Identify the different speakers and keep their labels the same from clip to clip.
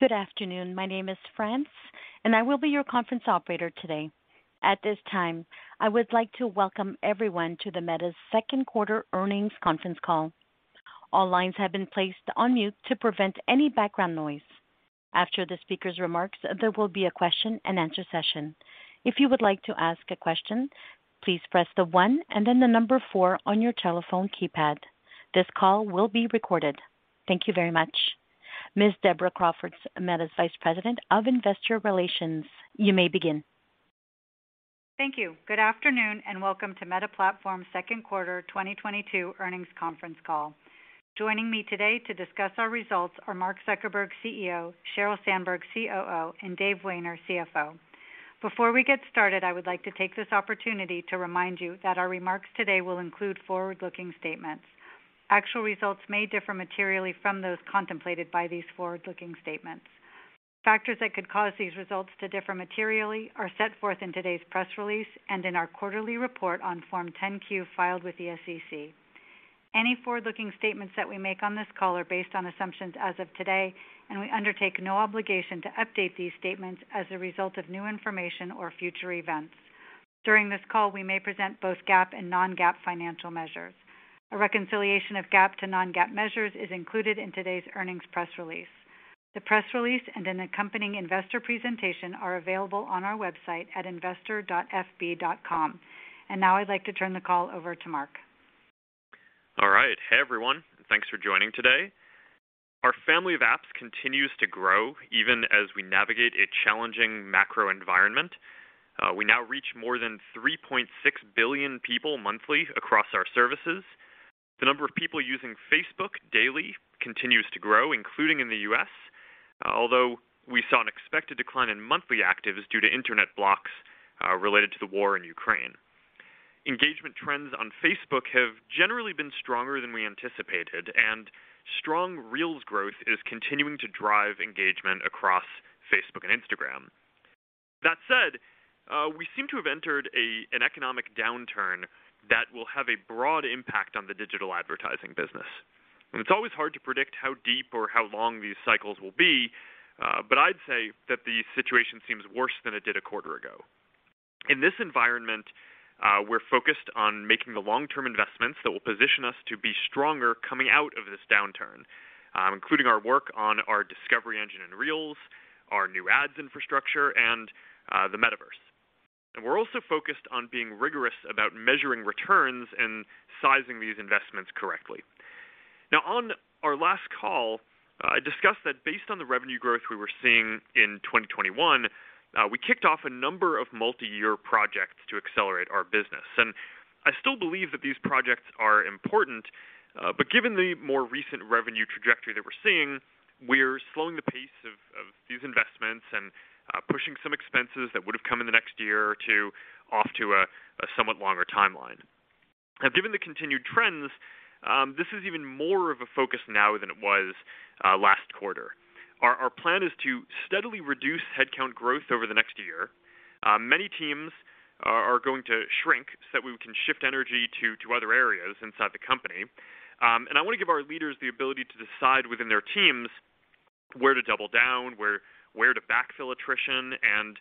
Speaker 1: Good afternoon. My name is France, and I will be your conference operator today. At this time, I would like to welcome everyone to Meta's second quarter earnings conference call. All lines have been placed on mute to prevent any background noise. After the speaker's remarks, there will be a Q&A session. If you would like to ask a question, please press the one and then the number four on your telephone keypad. This call will be recorded. Thank you very much. Ms. Deborah Crawford, Meta's Vice President of Investor Relations, you may begin.
Speaker 2: Thank you. Good afternoon, and welcome to Meta Platforms' second quarter 2022 earnings conference call. Joining me today to discuss our results are Mark Zuckerberg, CEO, Sheryl Sandberg, COO, and Dave Wehner, CFO. Before we get started, I would like to take this opportunity to remind you that our remarks today will include forward-looking statements. Actual results may differ materially from those contemplated by these forward-looking statements. Factors that could cause these results to differ materially are set forth in today's press release and in our quarterly report on Form 10-Q filed with the SEC. Any forward-looking statements that we make on this call are based on assumptions as of today, and we undertake no obligation to update these statements as a result of new information or future events. During this call, we may present both GAAP and non-GAAP financial measures. A reconciliation of GAAP to non-GAAP measures is included in today's earnings press release. The press release and an accompanying investor presentation are available on our website at investor.fb.com. Now I'd like to turn the call over to Mark.
Speaker 3: All right. Hey, everyone. Thanks for joining today. Our Family of Apps continues to grow even as we navigate a challenging macro environment. We now reach more than 3.6 billion people monthly across our services. The number of people using Facebook daily continues to grow, including in the U.S., although we saw an expected decline in monthly actives due to internet blocks related to the war in Ukraine. Engagement trends on Facebook have generally been stronger than we anticipated, and strong Reels growth is continuing to drive engagement across Facebook and Instagram. That said, we seem to have entered an economic downturn that will have a broad impact on the digital advertising business. It's always hard to predict how deep or how long these cycles will be, but I'd say that the situation seems worse than it did a quarter ago. In this environment, we're focused on making the long-term investments that will position us to be stronger coming out of this downturn, including our work on our discovery engine and Reels, our new ads infrastructure, and the Metaverse. We're also focused on being rigorous about measuring returns and sizing these investments correctly. Now on our last call, I discussed that based on the revenue growth we were seeing in 2021, we kicked off a number of multi-year projects to accelerate our business. I still believe that these projects are important, but given the more recent revenue trajectory that we're seeing, we're slowing the pace of these investments and pushing some expenses that would have come in the next year or two off to a somewhat longer timeline. Now, given the continued trends, this is even more of a focus now than it was last quarter. Our plan is to steadily reduce headcount growth over the next year. Many teams are going to shrink so that we can shift energy to other areas inside the company. I want to give our leaders the ability to decide within their teams where to double down, where to backfill attrition, and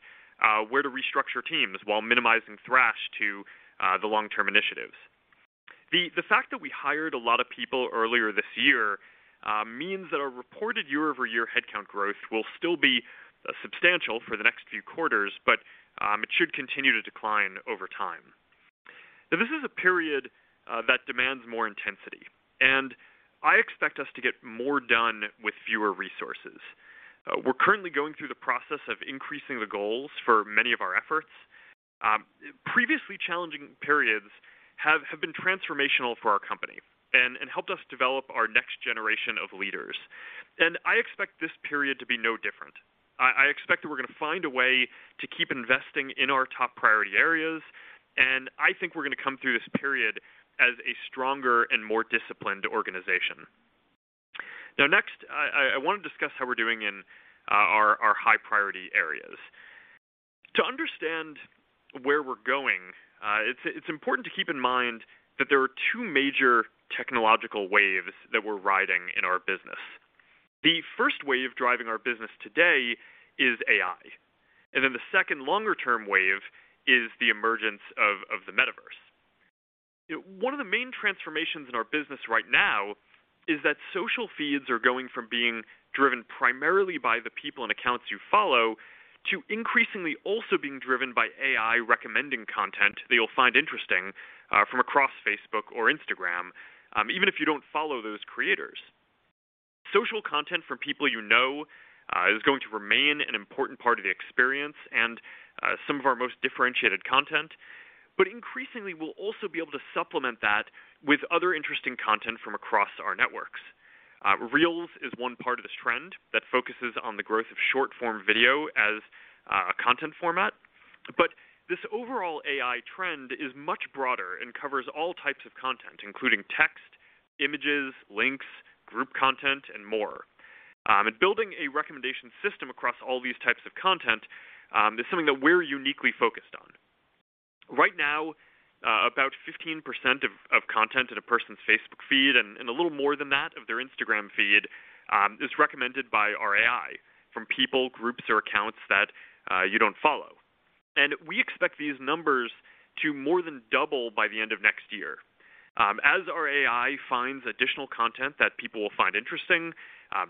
Speaker 3: where to restructure teams while minimizing thrash to the long-term initiatives. The fact that we hired a lot of people earlier this year means that our reported year-over-year headcount growth will still be substantial for the next few quarters, but it should continue to decline over time. This is a period that demands more intensity, and I expect us to get more done with fewer resources. We're currently going through the process of increasing the goals for many of our efforts. Previously challenging periods have been transformational for our company and helped us develop our next generation of leaders. I expect this period to be no different. I expect that we're gonna find a way to keep investing in our top priority areas, and I think we're gonna come through this period as a stronger and more disciplined organization. Now next, I wanna discuss how we're doing in our high priority areas. To understand where we're going, it's important to keep in mind that there are two major technological waves that we're riding in our business. The first wave driving our business today is AI. The second longer-term wave is the emergence of the Metaverse. One of the main transformations in our business right now is that social feeds are going from being driven primarily by the people and accounts you follow to increasingly also being driven by AI recommending content that you'll find interesting from across Facebook or Instagram, even if you don't follow those creators. Social content from people you know is going to remain an important part of the experience and some of our most differentiated content. Increasingly, we'll also be able to supplement that with other interesting content from across our networks. Reels is one part of this trend that focuses on the growth of short-form video as a content format. This overall AI trend is much broader and covers all types of content, including text, images, links, group content, and more. Building a recommendation system across all these types of content is something that we're uniquely focused on. Right now, about 15% of content in a person's Facebook feed and a little more than that of their Instagram feed is recommended by our AI from people, groups, or accounts that you don't follow. We expect these numbers to more than double by the end of next year. As our AI finds additional content that people will find interesting,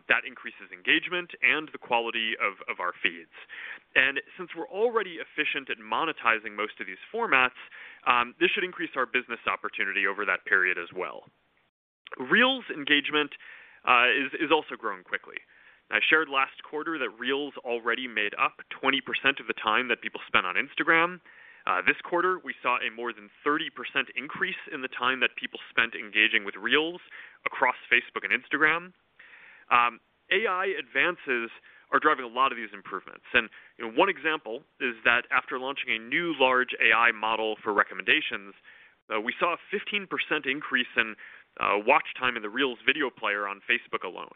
Speaker 3: that increases engagement and the quality of our feeds. Since we're already efficient at monetizing most of these formats, this should increase our business opportunity over that period as well. Reels engagement is also growing quickly. I shared last quarter that Reels already made up 20% of the time that people spent on Instagram. This quarter, we saw a more than 30% increase in the time that people spent engaging with Reels across Facebook and Instagram. AI advances are driving a lot of these improvements. You know, one example is that after launching a new large AI model for recommendations, we saw a 15% increase in watch time in the Reels video player on Facebook alone.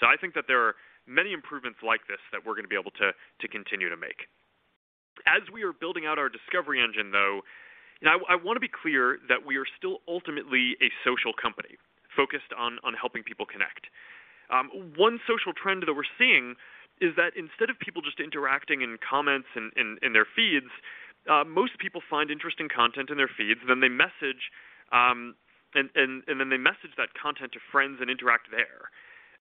Speaker 3: I think that there are many improvements like this that we're going to be able to continue to make. As we are building out our discovery engine, though, you know, I want to be clear that we are still ultimately a social company focused on helping people connect. One social trend that we're seeing is that instead of people just interacting in comments in their feeds, most people find interesting content in their feeds, then they message and then they message that content to friends and interact there.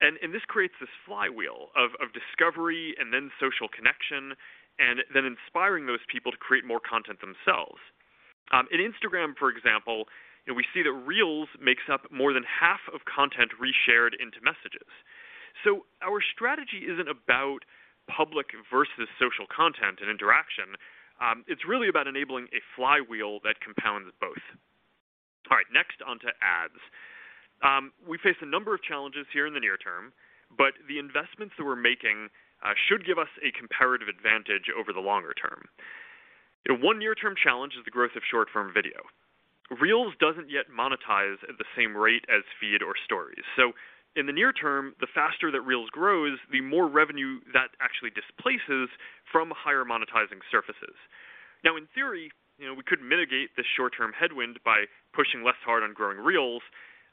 Speaker 3: This creates this flywheel of discovery and then social connection, and then inspiring those people to create more content themselves. In Instagram, for example, you know, we see that Reels makes up more than half of content reshared into messages. Our strategy isn't about public versus social content and interaction. It's really about enabling a flywheel that compounds both. All right, next onto ads. We face a number of challenges here in the near term, but the investments that we're making should give us a comparative advantage over the longer term. You know, one near-term challenge is the growth of short-form video. Reels doesn't yet monetize at the same rate as Feed or Stories. In the near term, the faster that Reels grows, the more revenue that actually displaces from higher monetizing surfaces. Now, in theory, you know, we could mitigate this short-term headwind by pushing less hard on growing Reels,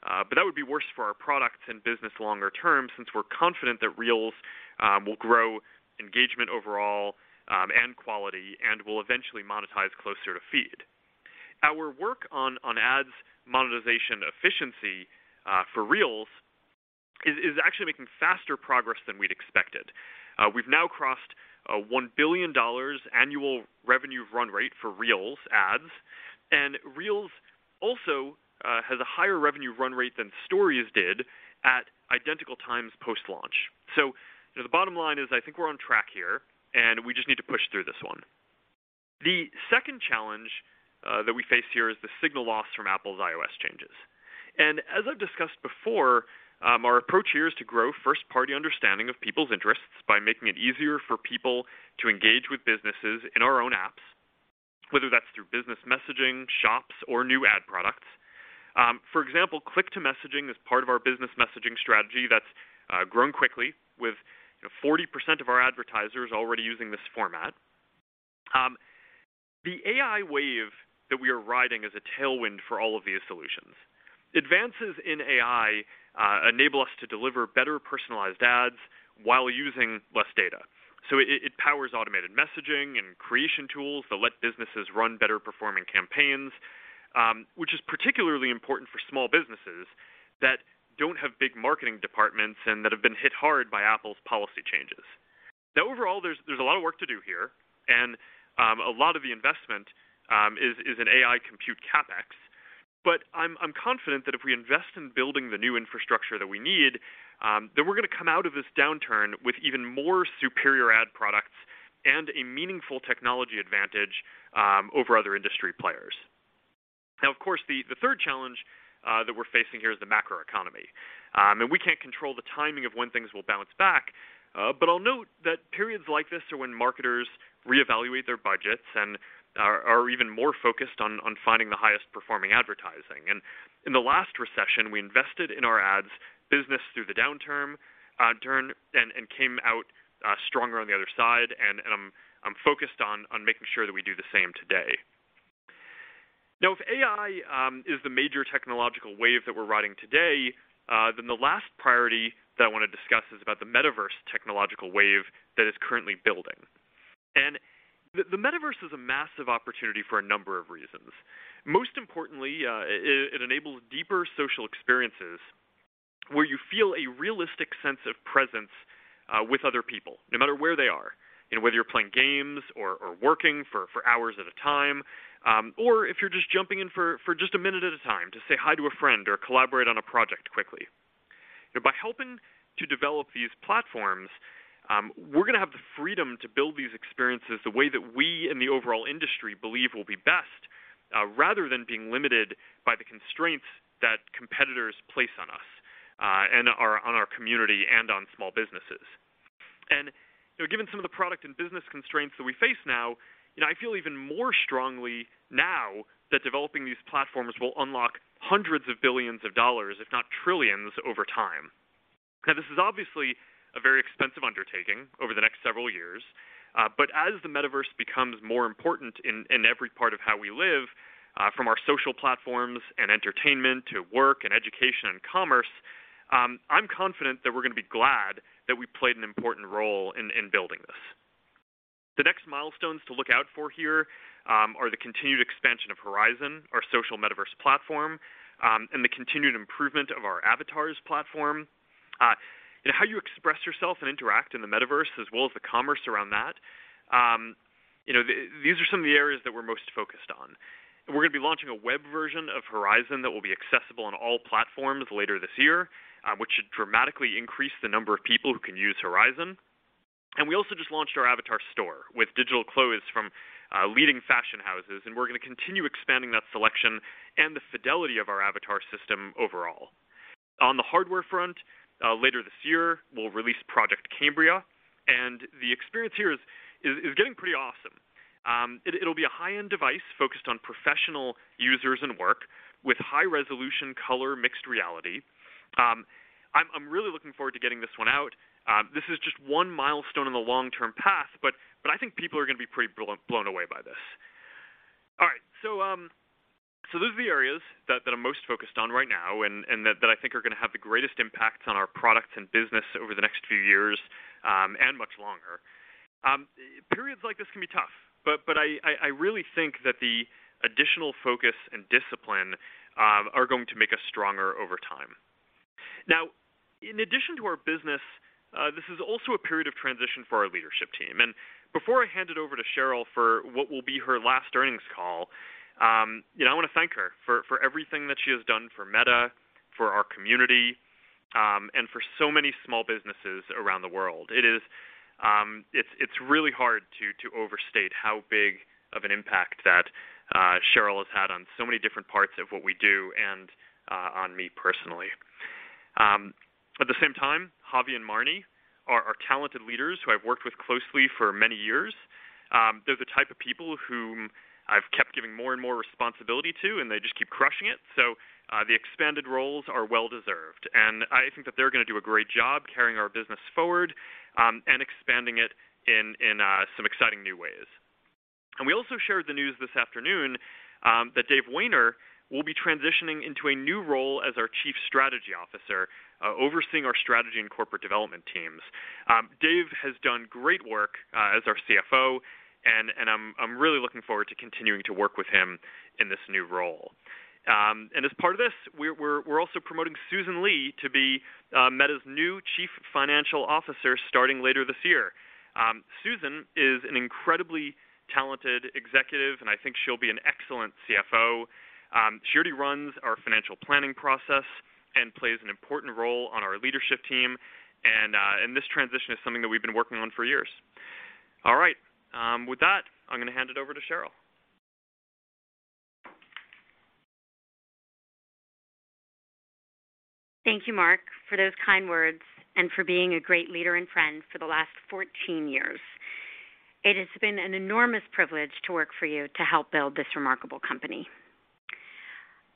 Speaker 3: but that would be worse for our products and business longer term, since we're confident that Reels, will grow engagement overall, and quality, and will eventually monetize closer to Feed. Our work on ads monetization efficiency, for Reels is actually making faster progress than we'd expected. We've now crossed a $1 billion annual revenue run rate for Reels ads, and Reels also, has a higher revenue run rate than Stories did at identical times post-launch. You know, the bottom line is, I think we're on track here, and we just need to push through this one. The second challenge that we face here is the signal loss from Apple's iOS changes. As I've discussed before, our approach here is to grow first-party understanding of people's interests by making it easier for people to engage with businesses in our own apps, whether that's through business messaging, shops, or new ad products. For example, Click-to-Messaging is part of our business messaging strategy that's grown quickly with, you know, 40% of our advertisers already using this format. The AI wave that we are riding is a tailwind for all of these solutions. Advances in AI enable us to deliver better personalized ads while using less data. It powers automated messaging and creation tools that let businesses run better-performing campaigns, which is particularly important for small businesses that don't have big marketing departments and that have been hit hard by Apple's policy changes. Now, overall, there's a lot of work to do here, and a lot of the investment is in AI compute CapEx. I'm confident that if we invest in building the new infrastructure that we need, then we're going to come out of this downturn with even more superior ad products and a meaningful technology advantage over other industry players. Now, of course, the third challenge that we're facing here is the macroeconomy. We can't control the timing of when things will bounce back, but I'll note that periods like this are when marketers reevaluate their budgets and are even more focused on finding the highest-performing advertising. In the last recession, we invested in our ads business through the downturn and came out stronger on the other side, and I'm focused on making sure that we do the same today. Now, if AI is the major technological wave that we're riding today, then the last priority that I want to discuss is about the Metaverse technological wave that is currently building. The Metaverse is a massive opportunity for a number of reasons. Most importantly, it enables deeper social experiences where you feel a realistic sense of presence with other people, no matter where they are, you know, whether you're playing games or working for hours at a time, or if you're just jumping in for just a minute at a time to say hi to a friend or collaborate on a project quickly. You know, by helping to develop these platforms, we're gonna have the freedom to build these experiences the way that we in the overall industry believe will be best, rather than being limited by the constraints that competitors place on us, and on our community and on small businesses. You know, given some of the product and business constraints that we face now, you know, I feel even more strongly now that developing these platforms will unlock hundreds of billions of dollars, if not trillions, over time. Now, this is obviously a very expensive undertaking over the next several years. As the Metaverse becomes more important in every part of how we live, from our social platforms and entertainment to work and education and commerce, I'm confident that we're gonna be glad that we played an important role in building this. The next milestones to look out for here are the continued expansion of Horizon, our social Metaverse platform, and the continued improvement of our avatars platform. How you express yourself and interact in the Metaverse as well as the commerce around that, you know, these are some of the areas that we're most focused on. We're gonna be launching a web version of Horizon that will be accessible on all platforms later this year, which should dramatically increase the number of people who can use Horizon. We also just launched our avatar store with digital clothes from leading fashion houses, and we're gonna continue expanding that selection and the fidelity of our avatar system overall. On the hardware front, later this year, we'll release Project Cambria, and the experience here is getting pretty awesome. It'll be a high-end device focused on professional users and work with high-resolution color mixed reality. I'm really looking forward to getting this one out. This is just one milestone in the long-term path, but I think people are gonna be pretty blown away by this. All right. Those are the areas that I'm most focused on right now and that I think are gonna have the greatest impact on our products and business over the next few years, and much longer. Periods like this can be tough, but I really think that the additional focus and discipline are going to make us stronger over time. Now, in addition to our business, this is also a period of transition for our leadership team. Before I hand it over to Sheryl for what will be her last earnings call, you know, I wanna thank her for everything that she has done for Meta, for our community, and for so many small businesses around the world. It's really hard to overstate how big of an impact that Sheryl has had on so many different parts of what we do and on me personally. At the same time, Javi and Marne are talented leaders who I've worked with closely for many years. They're the type of people whom I've kept giving more and more responsibility to, and they just keep crushing it. The expanded roles are well-deserved, and I think that they're gonna do a great job carrying our business forward, and expanding it in some exciting new ways. We also shared the news this afternoon that Dave Wehner will be transitioning into a new role as our Chief Strategy Officer, overseeing our strategy and corporate development teams. Dave has done great work as our CFO, and I'm really looking forward to continuing to work with him in this new role. As part of this, we're also promoting Susan Li to be Meta's new Chief Financial Officer starting later this year. Susan is an incredibly talented executive, and I think she'll be an excellent CFO. She already runs our financial planning process and plays an important role on our leadership team and this transition is something that we've been working on for years. All right, with that, I'm gonna hand it over to Sheryl.
Speaker 4: Thank you, Mark, for those kind words and for being a great leader and friend for the last 14 years. It has been an enormous privilege to work for you to help build this remarkable company.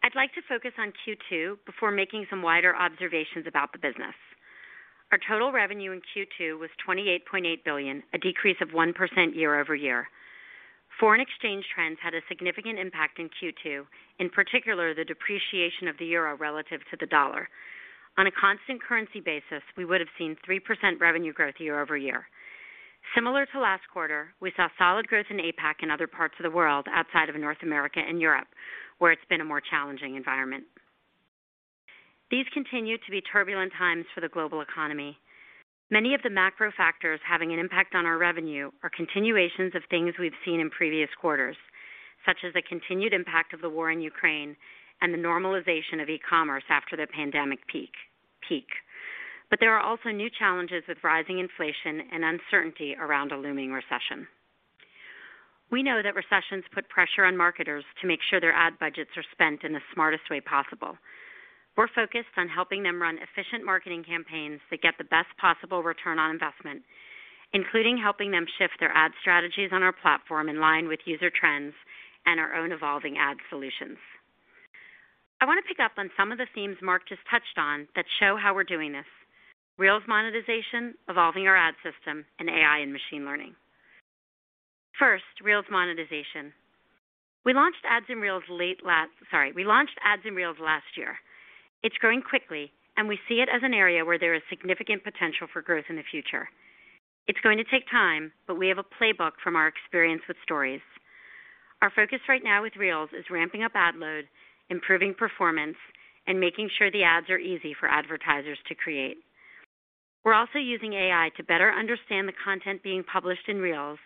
Speaker 4: I'd like to focus on Q2 before making some wider observations about the business. Our total revenue in Q2 was $28.8 billion, a decrease of 1% year-over-year. Foreign exchange trends had a significant impact in Q2, in particular, the depreciation of the euro relative to the dollar. On a constant currency basis, we would have seen 3% revenue growth year-over-year. Similar to last quarter, we saw solid growth in APAC and other parts of the world outside of North America and Europe, where it's been a more challenging environment. These continue to be turbulent times for the global economy. Many of the macro factors having an impact on our revenue are continuations of things we've seen in previous quarters, such as the continued impact of the war in Ukraine and the normalization of e-commerce after the pandemic peak. There are also new challenges with rising inflation and uncertainty around a looming recession. We know that recessions put pressure on marketers to make sure their ad budgets are spent in the smartest way possible. We're focused on helping them run efficient marketing campaigns that get the best possible return on investment, including helping them shift their ad strategies on our platform in line with user trends and our own evolving ad solutions. I want to pick up on some of the themes Mark just touched on that show how we're doing this, Reels monetization, evolving our ad system, and AI and machine learning. First, Reels monetization. We launched ads in Reels last year. It's growing quickly, and we see it as an area where there is significant potential for growth in the future. It's going to take time, but we have a playbook from our experience with Stories. Our focus right now with Reels is ramping up ad load, improving performance, and making sure the ads are easy for advertisers to create. We're also using AI to better understand the content being published in Reels,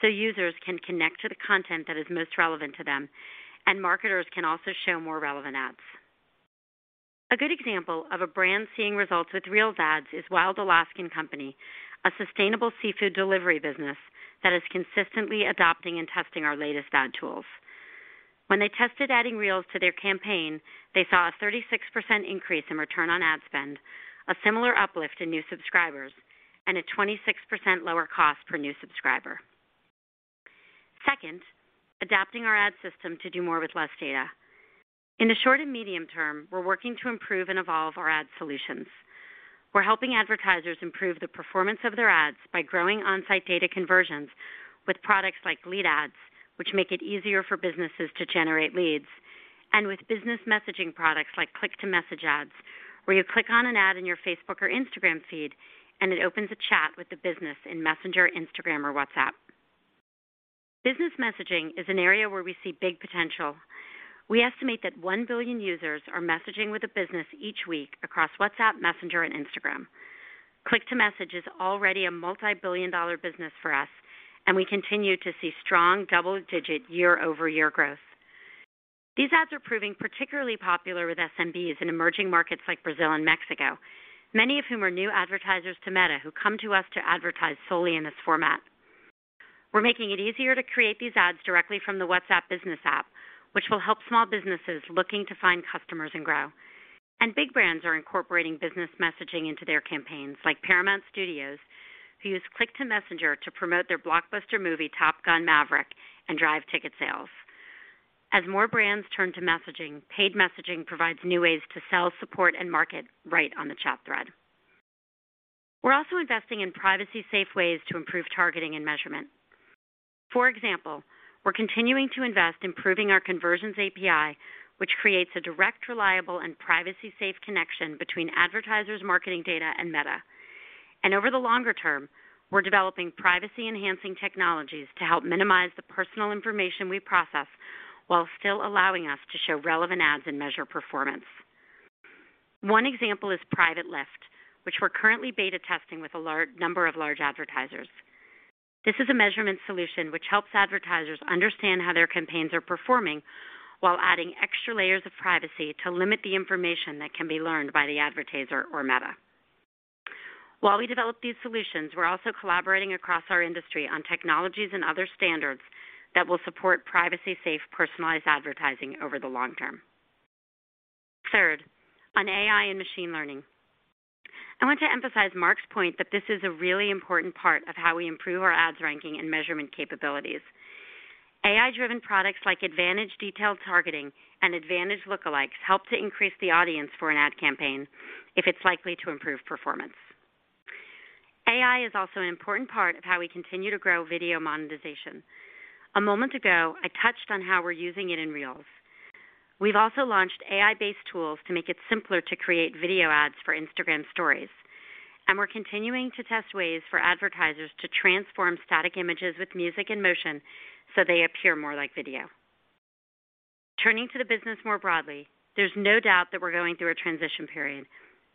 Speaker 4: so users can connect to the content that is most relevant to them, and marketers can also show more relevant ads. A good example of a brand seeing results with Reels ads is Wild Alaskan Company, a sustainable seafood delivery business that is consistently adopting and testing our latest ad tools. When they tested adding Reels to their campaign, they saw a 36% increase in return on ad spend, a similar uplift in new subscribers, and a 26% lower cost per new subscriber. Second, adapting our ad system to do more with less data. In the short and medium term, we're working to improve and evolve our ad solutions. We're helping advertisers improve the performance of their ads by growing on-site data conversions with products like Lead Ads, which make it easier for businesses to generate leads, and with business messaging products like Click-to-Message ads, where you click on an ad in your Facebook or Instagram Feed and it opens a chat with the business in Messenger, Instagram or WhatsApp. Business messaging is an area where we see big potential. We estimate that 1 billion users are messaging with a business each week across WhatsApp, Messenger and Instagram. Click-to-Message is already a multi-billion dollar business for us, and we continue to see strong double-digit year-over-year growth. These ads are proving particularly popular with SMBs in emerging markets like Brazil and Mexico, many of whom are new advertisers to Meta who come to us to advertise solely in this format. We're making it easier to create these ads directly from the WhatsApp Business app, which will help small businesses looking to find customers and grow. Big brands are incorporating business messaging into their campaigns, like Paramount Studios, who use Click-to-Messenger to promote their blockbuster movie, Top Gun: Maverick, and drive ticket sales. As more brands turn to messaging, paid messaging provides new ways to sell, support, and market right on the chat thread. We're also investing in privacy-safe ways to improve targeting and measurement. For example, we're continuing to invest in improving our Conversions API, which creates a direct, reliable, and privacy-safe connection between advertisers' marketing data and Meta. Over the longer term, we're developing privacy-enhancing technologies to help minimize the personal information we process while still allowing us to show relevant ads and measure performance. One example is Private Lift, which we're currently beta testing with a large number of large advertisers. This is a measurement solution which helps advertisers understand how their campaigns are performing while adding extra layers of privacy to limit the information that can be learned by the advertiser or Meta. While we develop these solutions, we're also collaborating across our industry on technologies and other standards that will support privacy-safe, personalized advertising over the long term. Third, on AI and machine learning. I want to emphasize Mark's point that this is a really important part of how we improve our ads ranking and measurement capabilities. AI-driven products like Advantage Detailed Targeting and Advantage Lookalikes help to increase the audience for an ad campaign if it's likely to improve performance. AI is also an important part of how we continue to grow video monetization. A moment ago, I touched on how we're using it in Reels. We've also launched AI-based tools to make it simpler to create video ads for Instagram Stories. We're continuing to test ways for advertisers to transform static images with music and motion so they appear more like video. Turning to the business more broadly, there's no doubt that we're going through a transition period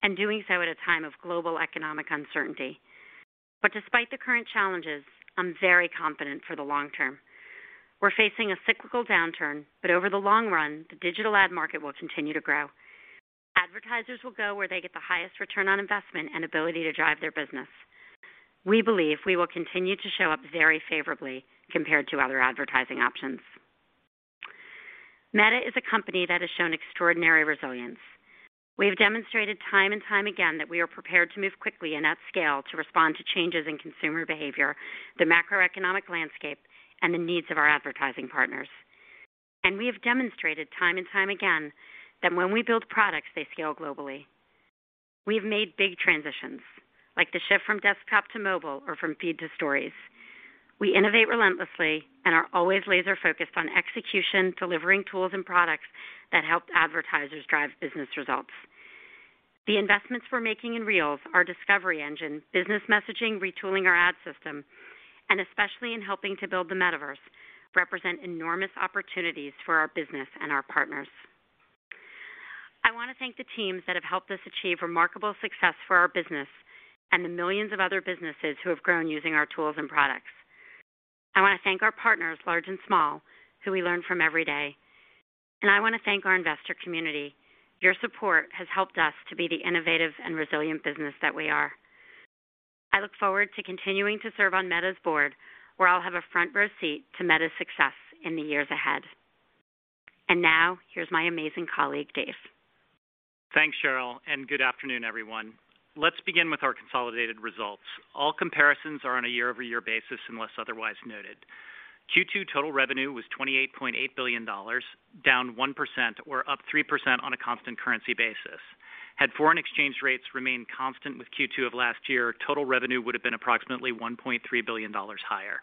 Speaker 4: and doing so at a time of global economic uncertainty. Despite the current challenges, I'm very confident for the long term. We're facing a cyclical downturn, but over the long run, the digital ad market will continue to grow. Advertisers will go where they get the highest return on investment and ability to drive their business. We believe we will continue to show up very favorably compared to other advertising options. Meta is a company that has shown extraordinary resilience. We have demonstrated time and time again that we are prepared to move quickly and at scale to respond to changes in consumer behavior, the macroeconomic landscape, and the needs of our advertising partners. We have demonstrated time and time again that when we build products, they scale globally. We have made big transitions, like the shift from desktop to mobile or from Feed to Stories. We innovate relentlessly and are always laser-focused on execution, delivering tools and products that help advertisers drive business results. The investments we're making in Reels, our discovery engine, business messaging, retooling our ad system, and especially in helping to build the Metaverse, represent enormous opportunities for our business and our partners. I want to thank the teams that have helped us achieve remarkable success for our business and the millions of other businesses who have grown using our tools and products. I want to thank our partners, large and small, who we learn from every day. I want to thank our investor community. Your support has helped us to be the innovative and resilient business that we are. I look forward to continuing to serve on Meta's board, where I'll have a front-row seat to Meta's success in the years ahead. Now, here's my amazing colleague, Dave.
Speaker 5: Thanks, Sheryl, and good afternoon, everyone. Let's begin with our consolidated results. All comparisons are on a year-over-year basis, unless otherwise noted. Q2 total revenue was $28.8 billion, down 1% or up 3% on a constant currency basis. Had foreign exchange rates remained constant with Q2 of last year, total revenue would have been approximately $1.3 billion higher.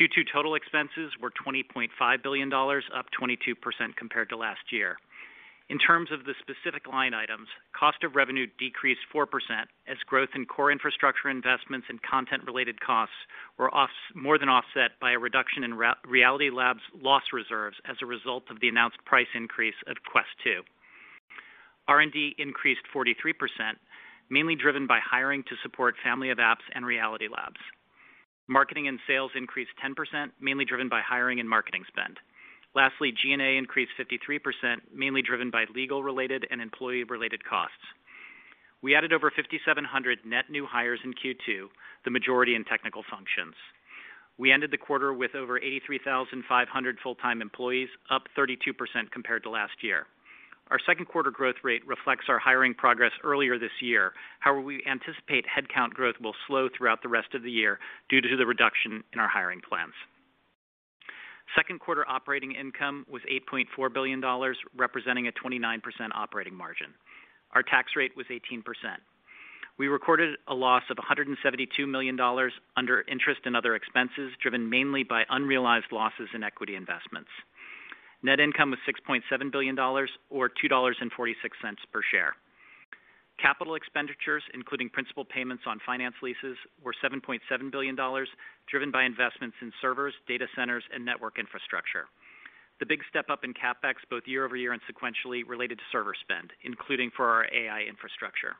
Speaker 5: Q2 total expenses were $20.5 billion, up 22% compared to last year. In terms of the specific line items, cost of revenue decreased 4% as growth in core infrastructure investments and content-related costs were more than offset by a reduction in Reality Labs' loss reserves as a result of the announced price increase of Quest 2. R&D increased 43%, mainly driven by hiring to support Family of Apps and Reality Labs. Marketing and sales increased 10%, mainly driven by hiring and marketing spend. Lastly, G&A increased 53%, mainly driven by legal-related and employee-related costs. We added over 5,700 net new hires in Q2, the majority in technical functions. We ended the quarter with over 83,500 full-time employees, up 32% compared to last year. Our second quarter growth rate reflects our hiring progress earlier this year. However, we anticipate headcount growth will slow throughout the rest of the year due to the reduction in our hiring plans. Second quarter operating income was $8.4 billion, representing a 29% operating margin. Our tax rate was 18%. We recorded a loss of $172 million under interest and other expenses, driven mainly by unrealized losses in equity investments. Net income was $6.7 billion or $2.46 per share. Capital expenditures, including principal payments on finance leases, were $7.7 billion, driven by investments in servers, data centers, and network infrastructure. The big step up in CapEx, both year-over-year and sequentially, related to server spend, including for our AI infrastructure.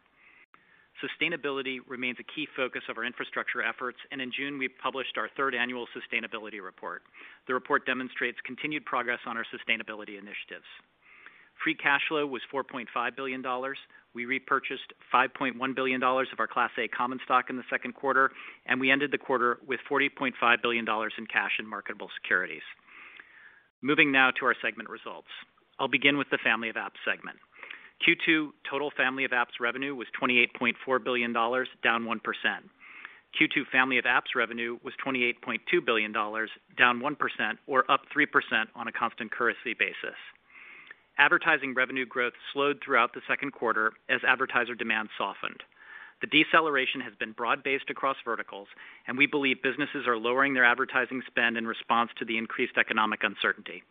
Speaker 5: Sustainability remains a key focus of our infrastructure efforts, and in June, we published our third annual sustainability report. The report demonstrates continued progress on our sustainability initiatives. Free cash flow was $4.5 billion. We repurchased $5.1 billion of our Class A common stock in the second quarter, and we ended the quarter with $40.5 billion in cash and marketable securities. Moving now to our segment results. I'll begin with the Family of Apps segment. Q2 total Family of Apps revenue was $28.4 billion, down 1%. Q2 Family of Apps revenue was $28.2 billion, down 1% or up 3% on a constant currency basis. Advertising revenue growth slowed throughout the second quarter as advertiser demand softened. The deceleration has been broad-based across verticals, and we believe businesses are lowering their advertising spend in response to the increased economic uncertainty.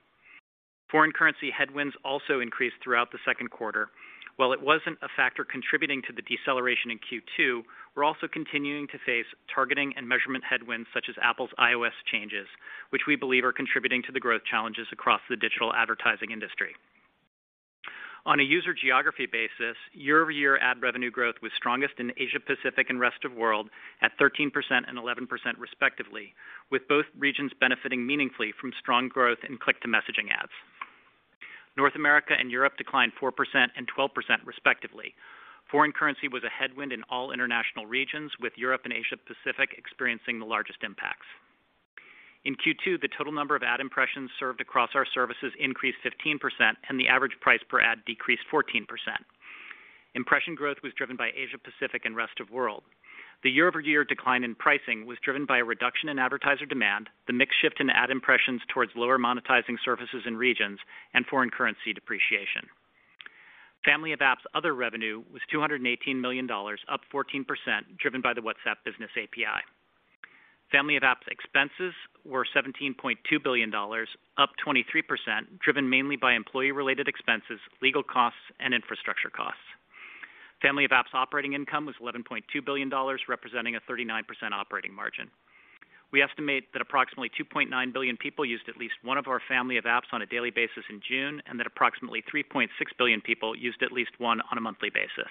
Speaker 5: Foreign currency headwinds also increased throughout the second quarter. While it wasn't a factor contributing to the deceleration in Q2, we're also continuing to face targeting and measurement headwinds such as Apple's iOS changes, which we believe are contributing to the growth challenges across the digital advertising industry. On a user geography basis, year-over-year ad revenue growth was strongest in Asia Pacific and rest of world at 13% and 11% respectively, with both regions benefiting meaningfully from strong growth in Click-to-Messaging ads. North America and Europe declined 4% and 12% respectively. Foreign currency was a headwind in all international regions, with Europe and Asia Pacific experiencing the largest impacts. In Q2, the total number of ad impressions served across our services increased 15%, and the average price per ad decreased 14%. Impression growth was driven by Asia Pacific and rest of world. The year-over-year decline in pricing was driven by a reduction in advertiser demand, the mix shift in ad impressions towards lower monetizing services and regions, and foreign currency depreciation. Family of Apps other revenue was $218 million, up 14%, driven by the WhatsApp Business API. Family of Apps expenses were $17.2 billion, up 23%, driven mainly by employee-related expenses, legal costs, and infrastructure costs. Family of Apps operating income was $11.2 billion, representing a 39% operating margin. We estimate that approximately 2.9 billion people used at least one of our Family of Apps on a daily basis in June, and that approximately 3.6 billion people used at least one on a monthly basis.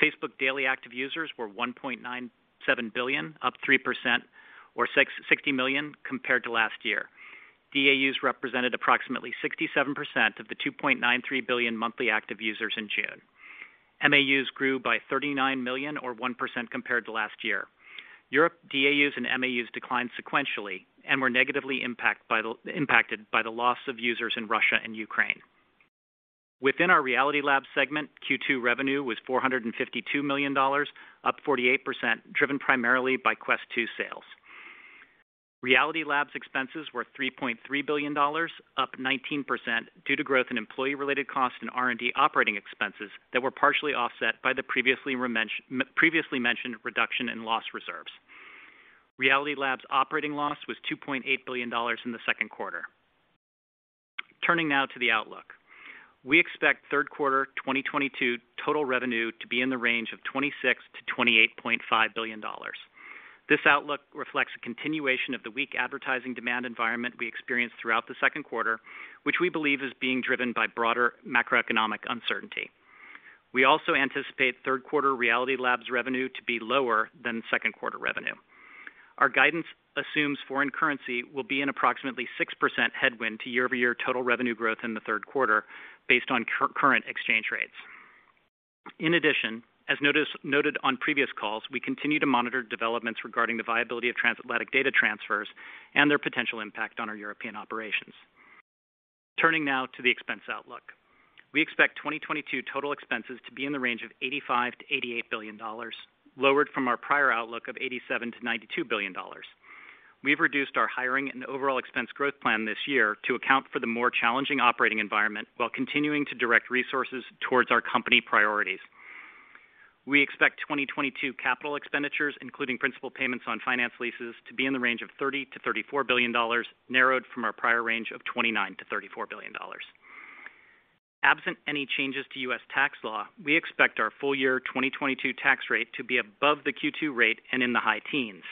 Speaker 5: Facebook daily active users were 1.97 billion, up 3% or 60 million compared to last year. DAUs represented approximately 67% of the 2.93 billion monthly active users in June. MAUs grew by 39 million or 1% compared to last year. Europe DAUs and MAUs declined sequentially and were negatively impacted by the loss of users in Russia and Ukraine. Within our Reality Labs segment, Q2 revenue was $452 million, up 48%, driven primarily by Quest 2 sales. Reality Labs expenses were $3.3 billion, up 19% due to growth in employee-related costs and R&D operating expenses that were partially offset by the previously mentioned reduction in loss reserves. Reality Labs' operating loss was $2.8 billion in the second quarter. Turning now to the outlook. We expect third quarter 2022 total revenue to be in the range of $26 billion-$28.5 billion. This outlook reflects a continuation of the weak advertising demand environment we experienced throughout the second quarter, which we believe is being driven by broader macroeconomic uncertainty. We also anticipate third quarter Reality Labs revenue to be lower than second quarter revenue. Our guidance assumes foreign currency will be an approximately 6% headwind to year-over-year total revenue growth in the third quarter based on current exchange rates. In addition, as noted on previous calls, we continue to monitor developments regarding the viability of transatlantic data transfers and their potential impact on our European operations. Turning now to the expense outlook. We expect 2022 total expenses to be in the range of $85 billion-$88 billion, lowered from our prior outlook of $87 billion-$92 billion. We've reduced our hiring and overall expense growth plan this year to account for the more challenging operating environment while continuing to direct resources towards our company priorities. We expect 2022 capital expenditures, including principal payments on finance leases, to be in the range of $30 billion-$34 billion, narrowed from our prior range of $29 billion-$34 billion. Absent any changes to U.S. tax law, we expect our full year 2022 tax rate to be above the Q2 rate and in the high teens.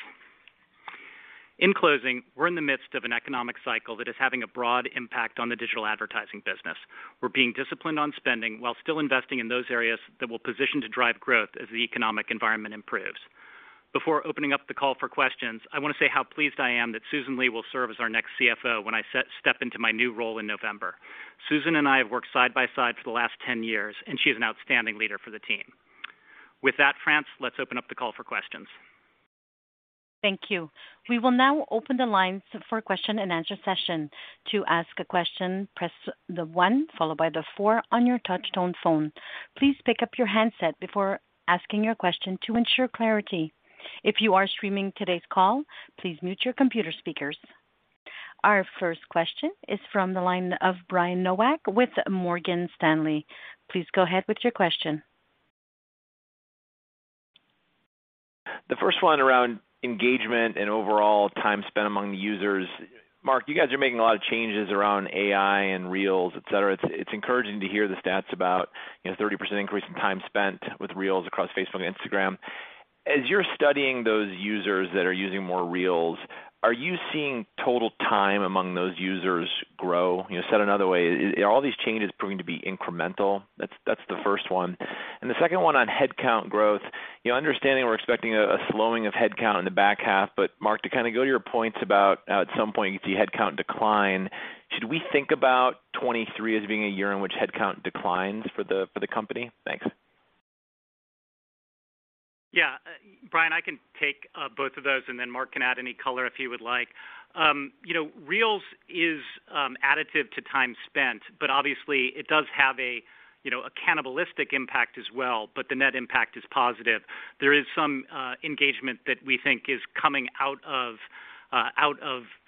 Speaker 5: In closing, we're in the midst of an economic cycle that is having a broad impact on the digital advertising business. We're being disciplined on spending while still investing in those areas that will position to drive growth as the economic environment improves. Before opening up the call for questions, I want to say how pleased I am that Susan Li will serve as our next CFO when I step into my new role in November. Susan and I have worked side by side for the last 10 years, and she is an outstanding leader for the team. With that, France, let's open up the call for questions.
Speaker 1: Thank you. We will now open the lines for Q&A session. To ask a question, press the one followed by the four on your touch tone phone. Please pick up your handset before asking your question to ensure clarity. If you are streaming today's call, please mute your computer speakers. Our first question is from the line of Brian Nowak with Morgan Stanley. Please go ahead with your question.
Speaker 6: The first one around engagement and overall time spent among the users. Mark, you guys are making a lot of changes around AI and Reels, et cetera. It's encouraging to hear the stats about, you know, 30% increase in time spent with Reels across Facebook and Instagram. As you're studying those users that are using more Reels, are you seeing total time among those users grow? You know, said another way, are all these changes proving to be incremental? That's the first one. The second one on headcount growth. You know, understanding we're expecting a slowing of headcount in the back half, but Mark, to kind of go to your points about how at some point you see headcount decline, should we think about 2023 as being a year in which headcount declines for the company? Thanks.
Speaker 5: Yeah. Brian, I can take both of those, and then Mark can add any color if he would like. You know, Reels is additive to time spent, but obviously it does have a you know, a cannibalistic impact as well, but the net impact is positive. There is some engagement that we think is coming out of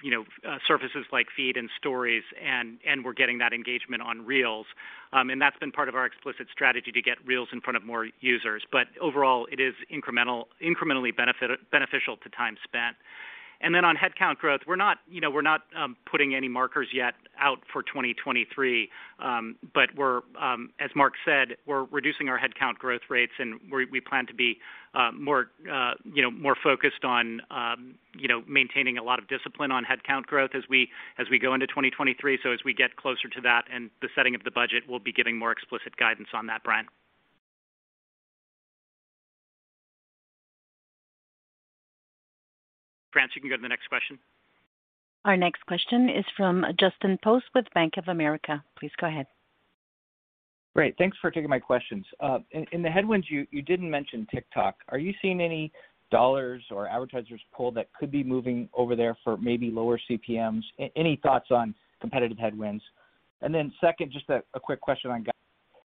Speaker 5: you know surfaces like Feed and Stories and we're getting that engagement on Reels. That's been part of our explicit strategy to get Reels in front of more users. But overall it is incrementally beneficial to time spent. Then on headcount growth, we're not you know putting any markers yet out for 2023. As Mark said, we're reducing our headcount growth rates, and we plan to be you know more you know more focused on you know maintaining a lot of discipline on headcount growth as we go into 2023. As we get closer to that and the setting of the budget, we'll be giving more explicit guidance on that, Brian. France, you can go to the next question.
Speaker 1: Our next question is from Justin Post with Bank of America. Please go ahead.
Speaker 7: Great. Thanks for taking my questions. In the headwinds, you didn't mention TikTok. Are you seeing any dollars or advertisers pull that could be moving over there for maybe lower CPM? Any thoughts on competitive headwinds? Second, just a quick question on guidance.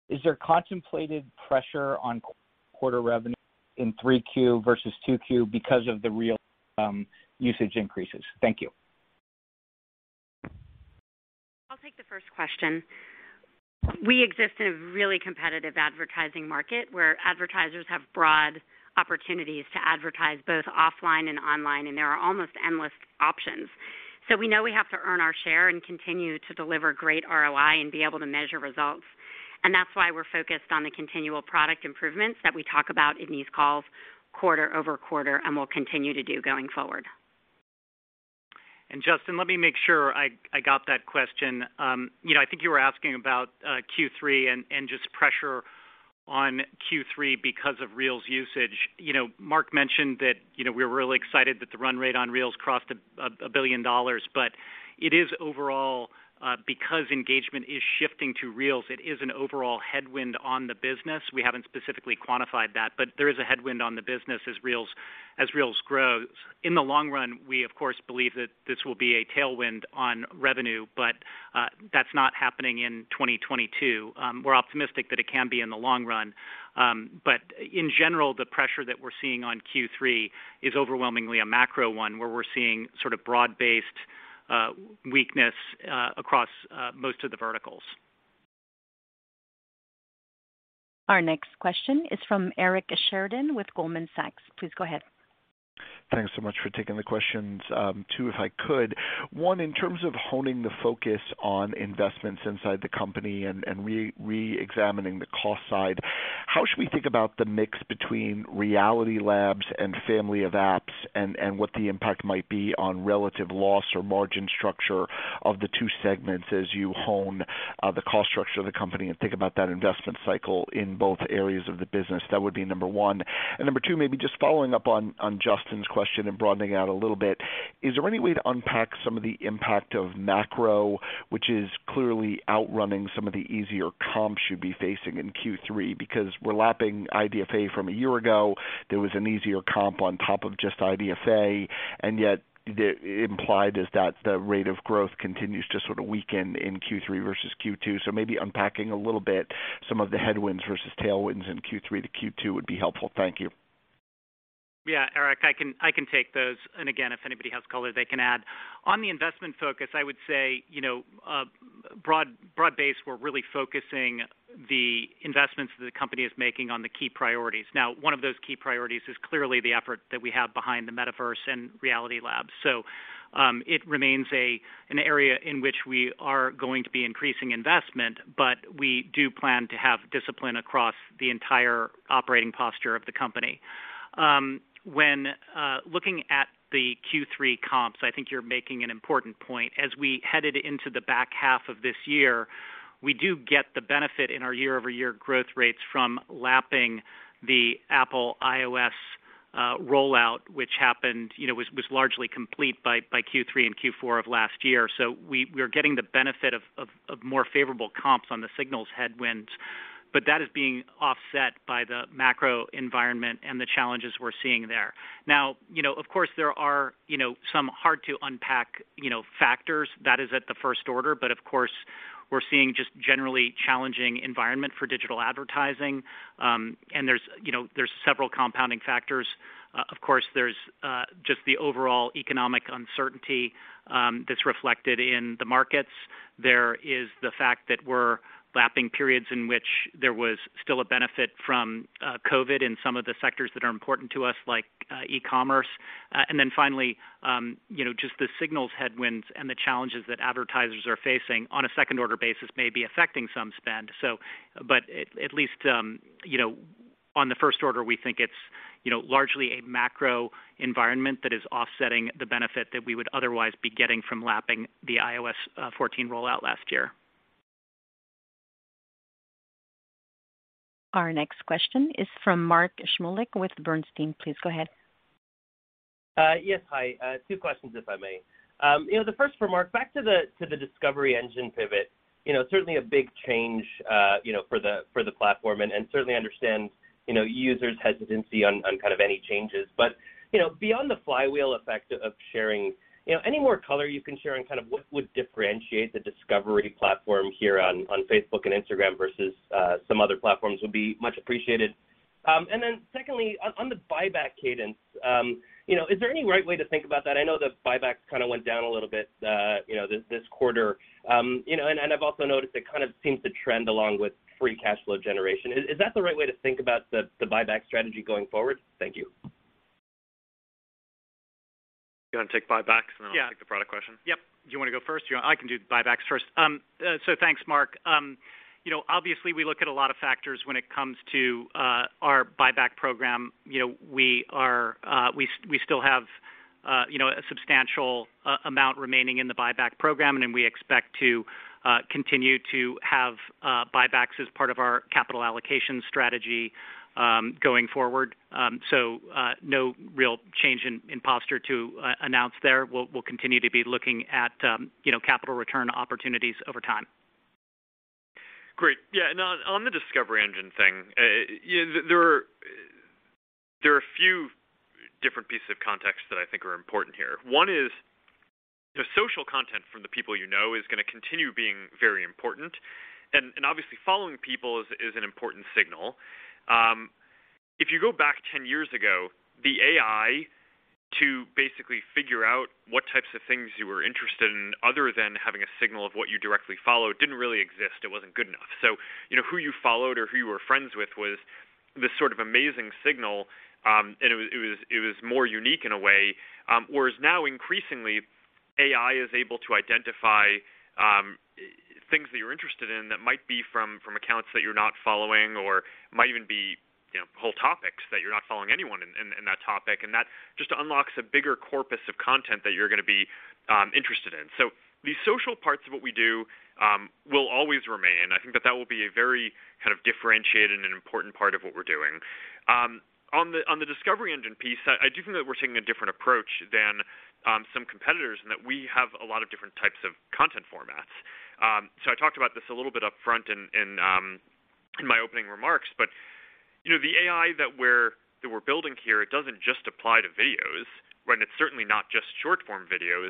Speaker 7: Is there contemplated pressure on quarter revenue in 3Q versus 2Q because of the Reel usage increases? Thank you.
Speaker 4: I'll take the first question. We exist in a really competitive advertising market where advertisers have broad opportunities to advertise both offline and online, and there are almost endless options. We know we have to earn our share and continue to deliver great ROI and be able to measure results. That's why we're focused on the continual product improvements that we talk about in these calls quarter-over-quarter and will continue to do going forward.
Speaker 5: And just to let me make sure I got that question. You know, I think you were asking about Q3 and just pressure on Q3 because of Reels usage. You know, Mark mentioned that, you know, we're really excited that the run rate on Reels crossed $1 billion, but it is overall because engagement is shifting to Reels, it is an overall headwind on the business. We haven't specifically quantified that, but there is a headwind on the business as Reels grows. In the long run, we of course believe that this will be a tailwind on revenue, but that's not happening in 2022. We're optimistic that it can be in the long run. In general, the pressure that we're seeing on Q3 is overwhelmingly a macro one, where we're seeing sort of broad-based weakness across most of the verticals.
Speaker 1: Our next question is from Eric Sheridan with Goldman Sachs. Please go ahead.
Speaker 8: Thanks so much for taking the questions. Two, if I could. One, in terms of honing the focus on investments inside the company and reexamining the cost side, how should we think about the mix between Reality Labs and Family of Apps and what the impact might be on relative loss or margin structure of the two segments as you hone the cost structure of the company and think about that investment cycle in both areas of the business? That would be number one. Number two, maybe just following up on Justin's question and broadening out a little bit, is there any way to unpack some of the impact of macro, which is clearly outrunning some of the easier comps you'd be facing in Q3? Because we're lapping IDFA from a year ago, there was an easier comp on top of just IDFA, and yet the implied is that the rate of growth continues to sort of weaken in Q3 versus Q2. Maybe unpacking a little bit some of the headwinds versus tailwinds in Q3 to Q2 would be helpful. Thank you.
Speaker 5: Yeah. Eric, I can take those. Again, if anybody has color they can add. On the investment focus, I would say, you know, broad-based, we're really focusing the investments that the company is making on the key priorities. Now, one of those key priorities is clearly the effort that we have behind the Metaverse and Reality Labs. It remains an area in which we are going to be increasing investment, but we do plan to have discipline across the entire operating posture of the company. When looking at the Q3 comps, I think you're making an important point. As we headed into the back half of this year, we do get the benefit in our year-over-year growth rates from lapping the Apple iOS rollout, which was largely complete by Q3 and Q4 of last year. We're getting the benefit of more favorable comps on the signal headwinds. That is being offset by the macro environment and the challenges we're seeing there. Of course there are some hard to unpack factors that is at the first order, but of course, we're seeing just generally challenging environment for digital advertising. There's several compounding factors. Of course, there's just the overall economic uncertainty that's reflected in the markets. There is the fact that we're lapping periods in which there was still a benefit from COVID in some of the sectors that are important to us, like e-commerce. Finally, you know, just the signal headwinds and the challenges that advertisers are facing on a second order basis may be affecting some spend. At least, you know, on the first order, we think it's, you know, largely a macro environment that is offsetting the benefit that we would otherwise be getting from lapping the iOS 14 rollout last year.
Speaker 1: Our next question is from Mark Shmulik with Bernstein. Please go ahead.
Speaker 9: Yes. Hi. Two questions, if I may. You know, the first for Mark, back to the discovery engine pivot, you know, certainly a big change, you know, for the platform, and certainly understand, you know, users' hesitancy on kind of any changes. Beyond the flywheel effect of sharing, you know, any more color you can share on kind of what would differentiate the discovery platform here on Facebook and Instagram versus some other platforms would be much appreciated. Then secondly, on the buyback cadence, you know, is there any right way to think about that? I know the buybacks kind of went down a little bit, you know, this quarter. You know, I've also noticed it kind of seems to trend along with free cash flow generation. Is that the right way to think about the buyback strategy going forward? Thank you.
Speaker 3: You wanna take buybacks.
Speaker 5: Yeah.
Speaker 3: I'll take the product question.
Speaker 5: Yep. Do you wanna go first? I can do buybacks first. Thanks, Mark. You know, obviously we look at a lot of factors when it comes to our buyback program. You know, we still have you know, a substantial amount remaining in the buyback program, and then we expect to continue to have buybacks as part of our capital allocation strategy going forward. No real change in posture to announce there. We'll continue to be looking at you know, capital return opportunities over time.
Speaker 3: Great. Yeah, and on the discovery engine thing, you know, there are a few different pieces of context that I think are important here. One is, you know, social content from the people you know is gonna continue being very important and obviously following people is an important signal. If you go back 10 years ago, the AI to basically figure out what types of things you were interested in other than having a signal of what you directly follow didn't really exist. It wasn't good enough. You know, who you followed or who you were friends with was this sort of amazing signal. It was more unique in a way. Whereas now increasingly AI is able to identify things that you're interested in that might be from accounts that you're not following or might even be, you know, whole topics that you're not following anyone in that topic. That just unlocks a bigger corpus of content that you're gonna be interested in. The social parts of what we do will always remain. I think that will be a very kind of differentiated and important part of what we're doing. On the discovery engine piece, I do think that we're taking a different approach than some competitors in that we have a lot of different types of content formats. I talked about this a little bit upfront in my opening remarks, but you know, the AI that we're building here, it doesn't just apply to videos, right? It's certainly not just short-form video.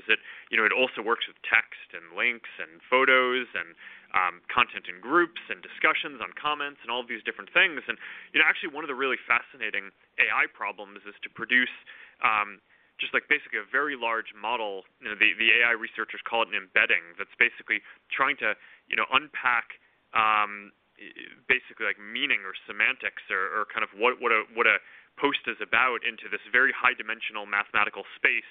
Speaker 3: You know, it also works with text and links and photos and content in groups and discussions on comments and all of these different things. You know, actually one of the really fascinating AI problems is to produce just like basically a very large model. You know, the AI researchers call it an embedding, that's basically trying to unpack basically like meaning or semantics or kind of what a post is about into this very high-dimensional mathematical space.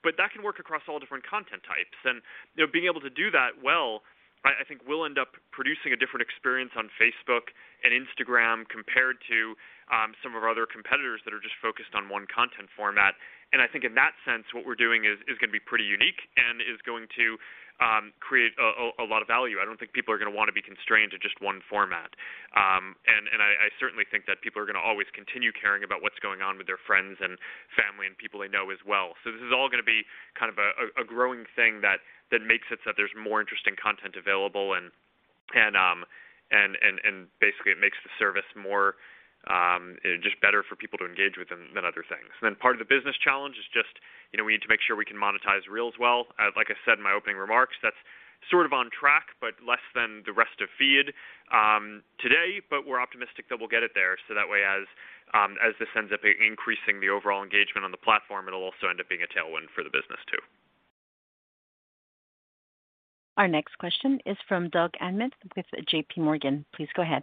Speaker 3: But that can work across all different content types. You know, being able to do that well, I think will end up producing a different experience on Facebook and Instagram compared to some of our other competitors that are just focused on one content format. I think in that sense, what we're doing is gonna be pretty unique and is going to create a lot of value. I don't think people are gonna wanna be constrained to just one format. I certainly think that people are gonna always continue caring about what's going on with their friends and family and people they know as well. This is all gonna be kind of a growing thing that makes it so that there's more interesting content available and basically it makes the service more just better for people to engage with than other things. Then part of the business challenge is just, you know, we need to make sure we can monetize Reels well. Like I said in my opening remarks, that's sort of on track, but less than the rest of Feed today. We're optimistic that we'll get it there so that way as this ends up increasing the overall engagement on the platform, it'll also end up being a tailwind for the business too.
Speaker 1: Our next question is from Doug Anmuth with JPMorgan. Please go ahead.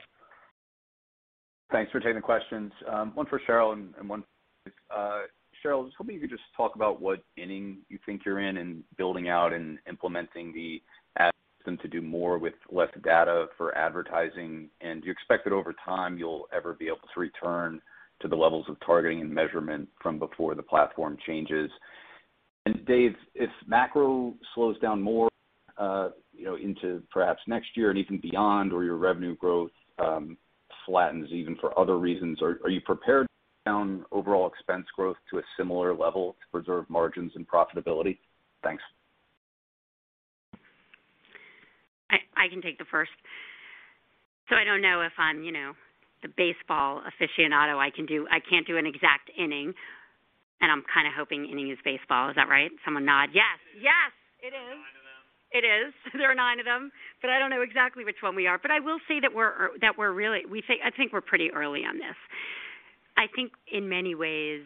Speaker 10: Thanks for taking the questions. One for Sheryl and one for Dave. Sheryl, I was hoping you could just talk about what inning you think you're in building out and implementing the ads to do more with less data for advertising. Do you expect that over time you'll ever be able to return to the levels of targeting and measurement from before the platform changes? Dave, if macro slows down more into perhaps next year and even beyond or your revenue growth flattens even for other reasons, are you prepared to slow down overall expense growth to a similar level to preserve margins and profitability? Thanks.
Speaker 4: I can take the first. I don't know if I'm, you know, the baseball aficionado. I can't do an exact inning, and I'm kind of hoping inning is baseball. Is that right? Someone nod. Yes, it is.
Speaker 5: There are nine of them.
Speaker 4: It is. There are nine of them, but I don't know exactly which one we are. I will say that I think we're pretty early on this. I think in many ways,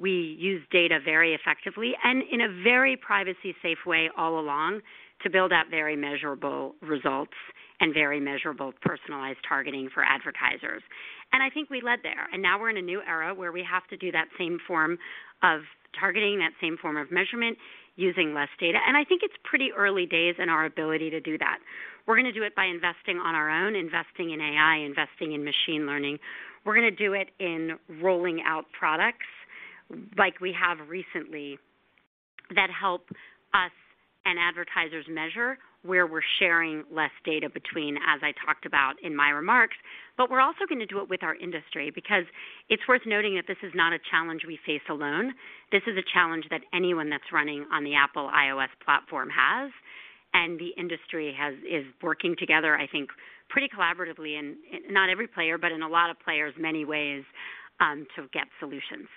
Speaker 4: we use data very effectively and in a very privacy-safe way all along to build out very measurable results and very measurable personalized targeting for advertisers. I think we led there, and now we're in a new era where we have to do that same form of targeting, that same form of measurement using less data. I think it's pretty early days in our ability to do that. We're going to do it by investing on our own, investing in AI, investing in machine learning. We're going to do it in rolling out products like we have recently that help us and advertisers measure where we're sharing less data between, as I talked about in my remarks. We're also going to do it with our industry because it's worth noting that this is not a challenge we face alone. This is a challenge that anyone that's running on the Apple iOS platform has, and the industry is working together, I think, pretty collaboratively, not every player, but a lot of players, in many ways, to get solutions.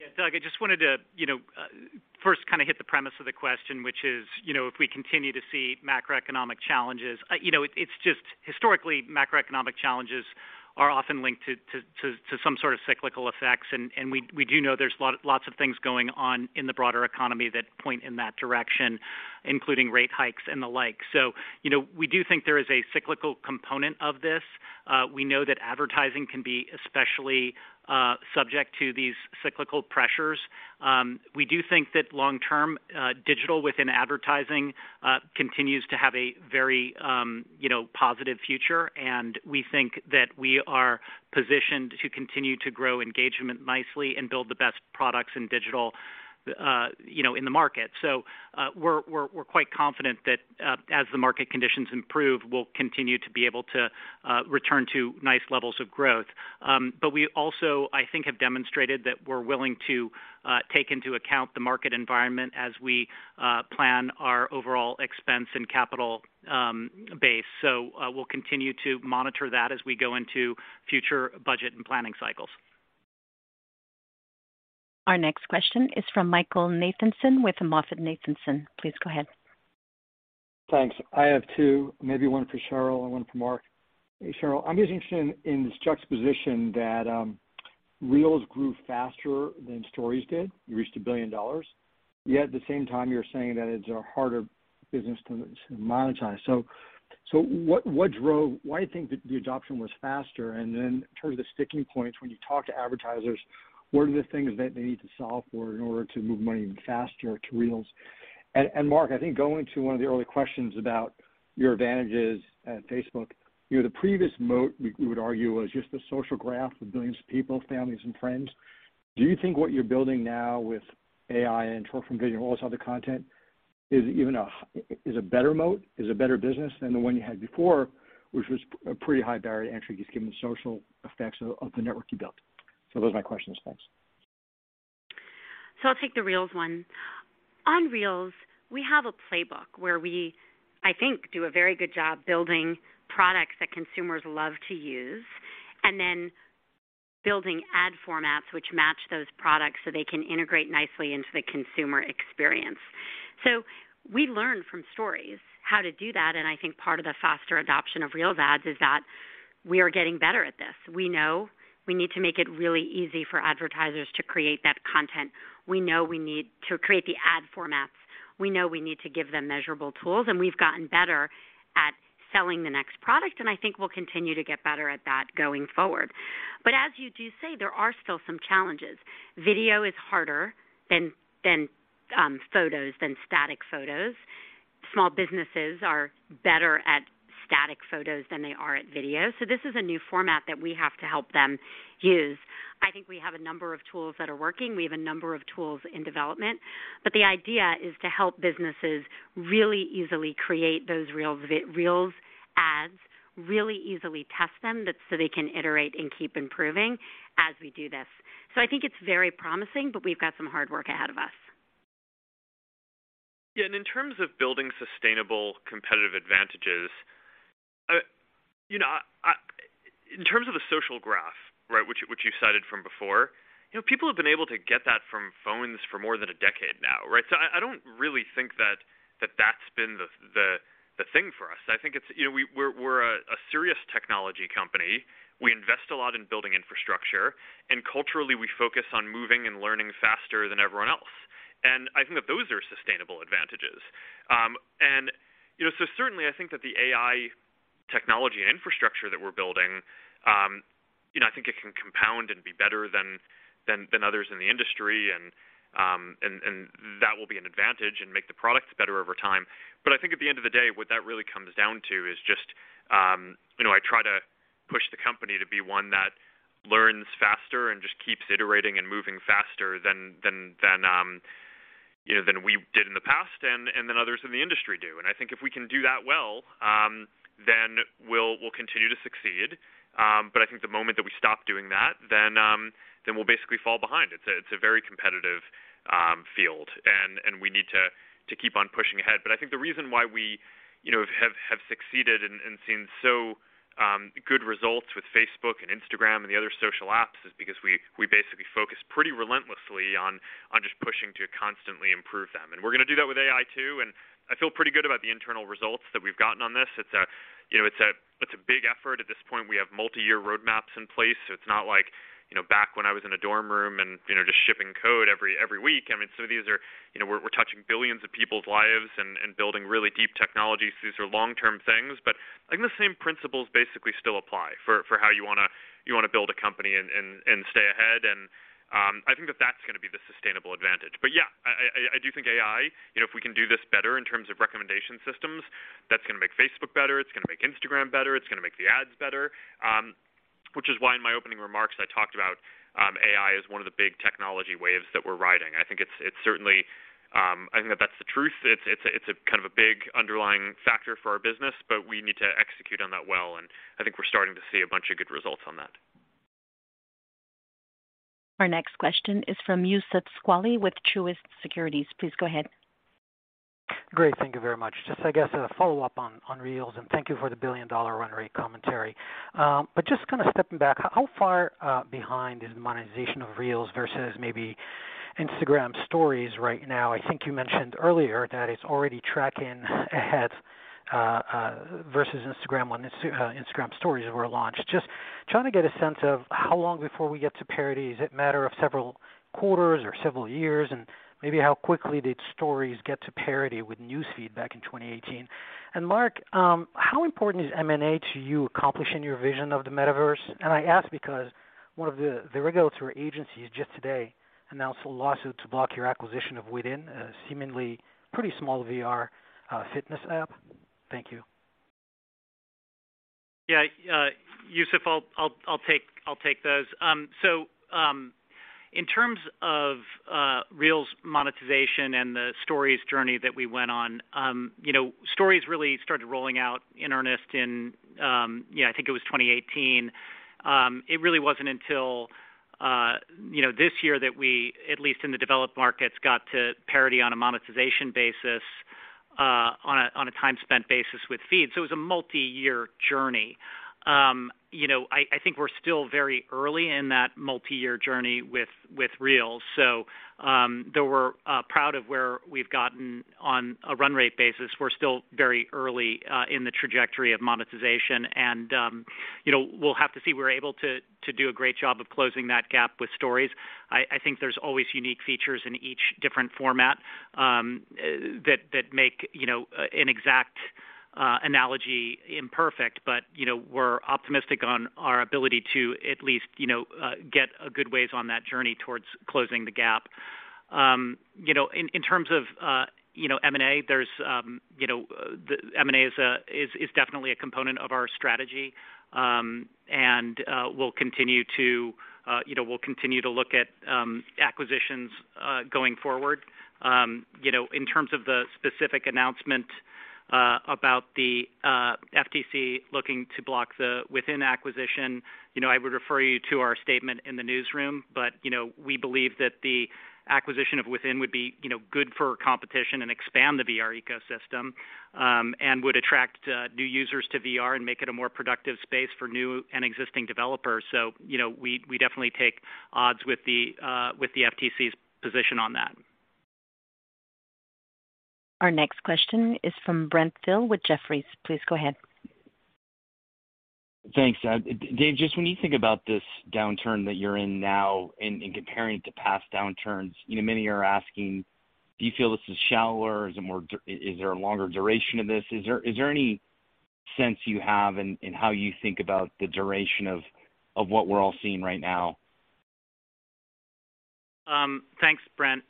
Speaker 5: Yeah, Doug, I just wanted to, you know, first kind of hit the premise of the question, which is, you know, if we continue to see macroeconomic challenges. You know, it's just historically macroeconomic challenges are often linked to some sort of cyclical effects. We do know there's lots of things going on in the broader economy that point in that direction, including rate hikes and the like. You know, we do think there is a cyclical component of this. We know that advertising can be especially subject to these cyclical pressures. We do think that long-term, digital within advertising continues to have a very, you know, positive future. We think that we are positioned to continue to grow engagement nicely and build the best products in digital, you know, in the market. We're quite confident that, as the market conditions improve, we'll continue to be able to return to nice levels of growth. We also, I think, have demonstrated that we're willing to take into account the market environment as we plan our overall expense and capital base. We'll continue to monitor that as we go into future budget and planning cycles.
Speaker 1: Our next question is from Michael Nathanson with MoffettNathanson. Please go ahead.
Speaker 11: Thanks. I have two, maybe one for Sheryl and one for Mark. Sheryl, I'm just interested in this juxtaposition that Reels grew faster than Stories did. You reached $1 billion. Yet at the same time, you're saying that it's a harder business to monetize. So what drove why do you think that the adoption was faster? And then in terms of the sticking points, when you talk to advertisers, what are the things that they need to solve for in order to move money even faster to Reels? And Mark, I think going to one of the early questions about your advantages at Facebook, you know, the previous moat we would argue was just the social graph with billions of people, families and friends. Do you think what you're building now with AI and short-form video and all this other content is even a better moat, is a better business than the one you had before, which was a pretty high barrier to entry just given the social effects of the network you built? Those are my questions. Thanks.
Speaker 4: I'll take the Reels one. On Reels, we have a playbook where we, I think, do a very good job building products that consumers love to use, and then building ad formats which match those products so they can integrate nicely into the consumer experience. We learn from Stories how to do that, and I think part of the faster adoption of Reels ads is that we are getting better at this. We know we need to make it really easy for advertisers to create that content. We know we need to create the ad formats. We know we need to give them measurable tools, and we've gotten better at selling the next product, and I think we'll continue to get better at that going forward. As you do say, there are still some challenges. Video is harder than photos, than static photos. Small businesses are better at static photos than they are at video. This is a new format that we have to help them use. I think we have a number of tools that are working. We have a number of tools in development. The idea is to help businesses really easily create those Reels ads, really easily test them so they can iterate and keep improving as we do this. I think it's very promising, but we've got some hard work ahead of us.
Speaker 3: Yeah. In terms of building sustainable competitive advantages, you know, in terms of the social graph, right? Which you cited from before, you know, people have been able to get that from phones for more than a decade now, right? I don't really think that that's been the thing for us. I think it's, you know, we're a serious technology company. We invest a lot in building infrastructure, and culturally, we focus on moving and learning faster than everyone else. I think that those are sustainable advantages. You know, certainly, I think that the AI technology infrastructure that we're building, you know, I think it can compound and be better than others in the industry and that will be an advantage and make the products better over time. I think at the end of the day, what that really comes down to is just, you know, I try to push the company to be one that learns faster and just keeps iterating and moving faster than you know, than we did in the past and than others in the industry do. I think if we can do that well, then we'll continue to succeed. I think the moment that we stop doing that, then we'll basically fall behind. It's a very competitive field, and we need to keep on pushing ahead. I think the reason why we, you know, have succeeded and seen so good results with Facebook and Instagram and the other social apps is because we basically focus pretty relentlessly on just pushing to constantly improve them. We're gonna do that with AI too, and I feel pretty good about the internal results that we've gotten on this. It's a, you know, big effort. At this point, we have multi-year roadmaps in place, so it's not like, you know, back when I was in a dorm room and, you know, just shipping code every week. I mean, some of these are, you know, we're touching billions of people's lives and building really deep technologies. These are long-term things. I think the same principles basically still apply for how you wanna build a company and stay ahead, and I think that that's gonna be the sustainable advantage. Yeah, I do think AI, you know, if we can do this better in terms of recommendation systems, that's gonna make Facebook better, it's gonna make Instagram better, it's gonna make the ads better, which is why in my opening remarks, I talked about AI as one of the big technology waves that we're riding. I think it's certainly. I think that that's the truth. It's a kind of a big underlying factor for our business, but we need to execute on that well, and I think we're starting to see a bunch of good results on that.
Speaker 1: Our next question is from Youssef Squali with Truist Securities. Please go ahead.
Speaker 12: Great. Thank you very much. Just, I guess, a follow-up on Reels, and thank you for the $1 billion run rate commentary. But just kinda stepping back, how far behind is the monetization of Reels versus maybe Instagram Stories right now? I think you mentioned earlier that it's already tracking ahead versus Instagram when Instagram Stories were launched. Just trying to get a sense of how long before we get to parity. Is it a matter of several quarters or several years? Maybe how quickly did Stories get to parity with News Feed back in 2018? Mark, how important is M&A to you accomplishing your vision of the Metaverse? I ask because one of the regulatory agencies just today announced a lawsuit to block your acquisition of Within, a seemingly pretty small VR fitness app. Thank you.
Speaker 5: Youssef, I'll take those. In terms of Reels monetization and the Stories journey that we went on, you know, Stories really started rolling out in earnest in 2018, I think. It really wasn't until this year that we, at least in the developed markets, got to parity on a monetization basis, on a time spent basis with Feed. It was a multi-year journey. You know, I think we're still very early in that multi-year journey with Reels. Though we're proud of where we've gotten on a run rate basis, we're still very early in the trajectory of monetization, and you know, we'll have to see. We were able to do a great job of closing that gap with Stories. I think there's always unique features in each different format that make you know an exact analogy imperfect, but you know we're optimistic on our ability to at least you know get a good ways on that journey towards closing the gap. You know in terms of you know M&A there's you know the M&A is definitely a component of our strategy and we'll continue to look at acquisitions going forward. You know in terms of the specific announcement about the FTC looking to block the Within acquisition you know I would refer you to our statement in the newsroom. You know, we believe that the acquisition of Within would be, you know, good for competition and expand the VR ecosystem, and would attract new users to VR and make it a more productive space for new and existing developers. you know, we definitely take odds with the FTC's position on that.
Speaker 1: Our next question is from Brent Thill with Jefferies. Please go ahead.
Speaker 13: Thanks. Dave, just when you think about this downturn that you're in now and comparing it to past downturns, you know, many are asking, do you feel this is shallower? Is there a longer duration of this? Is there any sense you have in how you think about the duration of what we're all seeing right now?
Speaker 5: Thanks, Brent.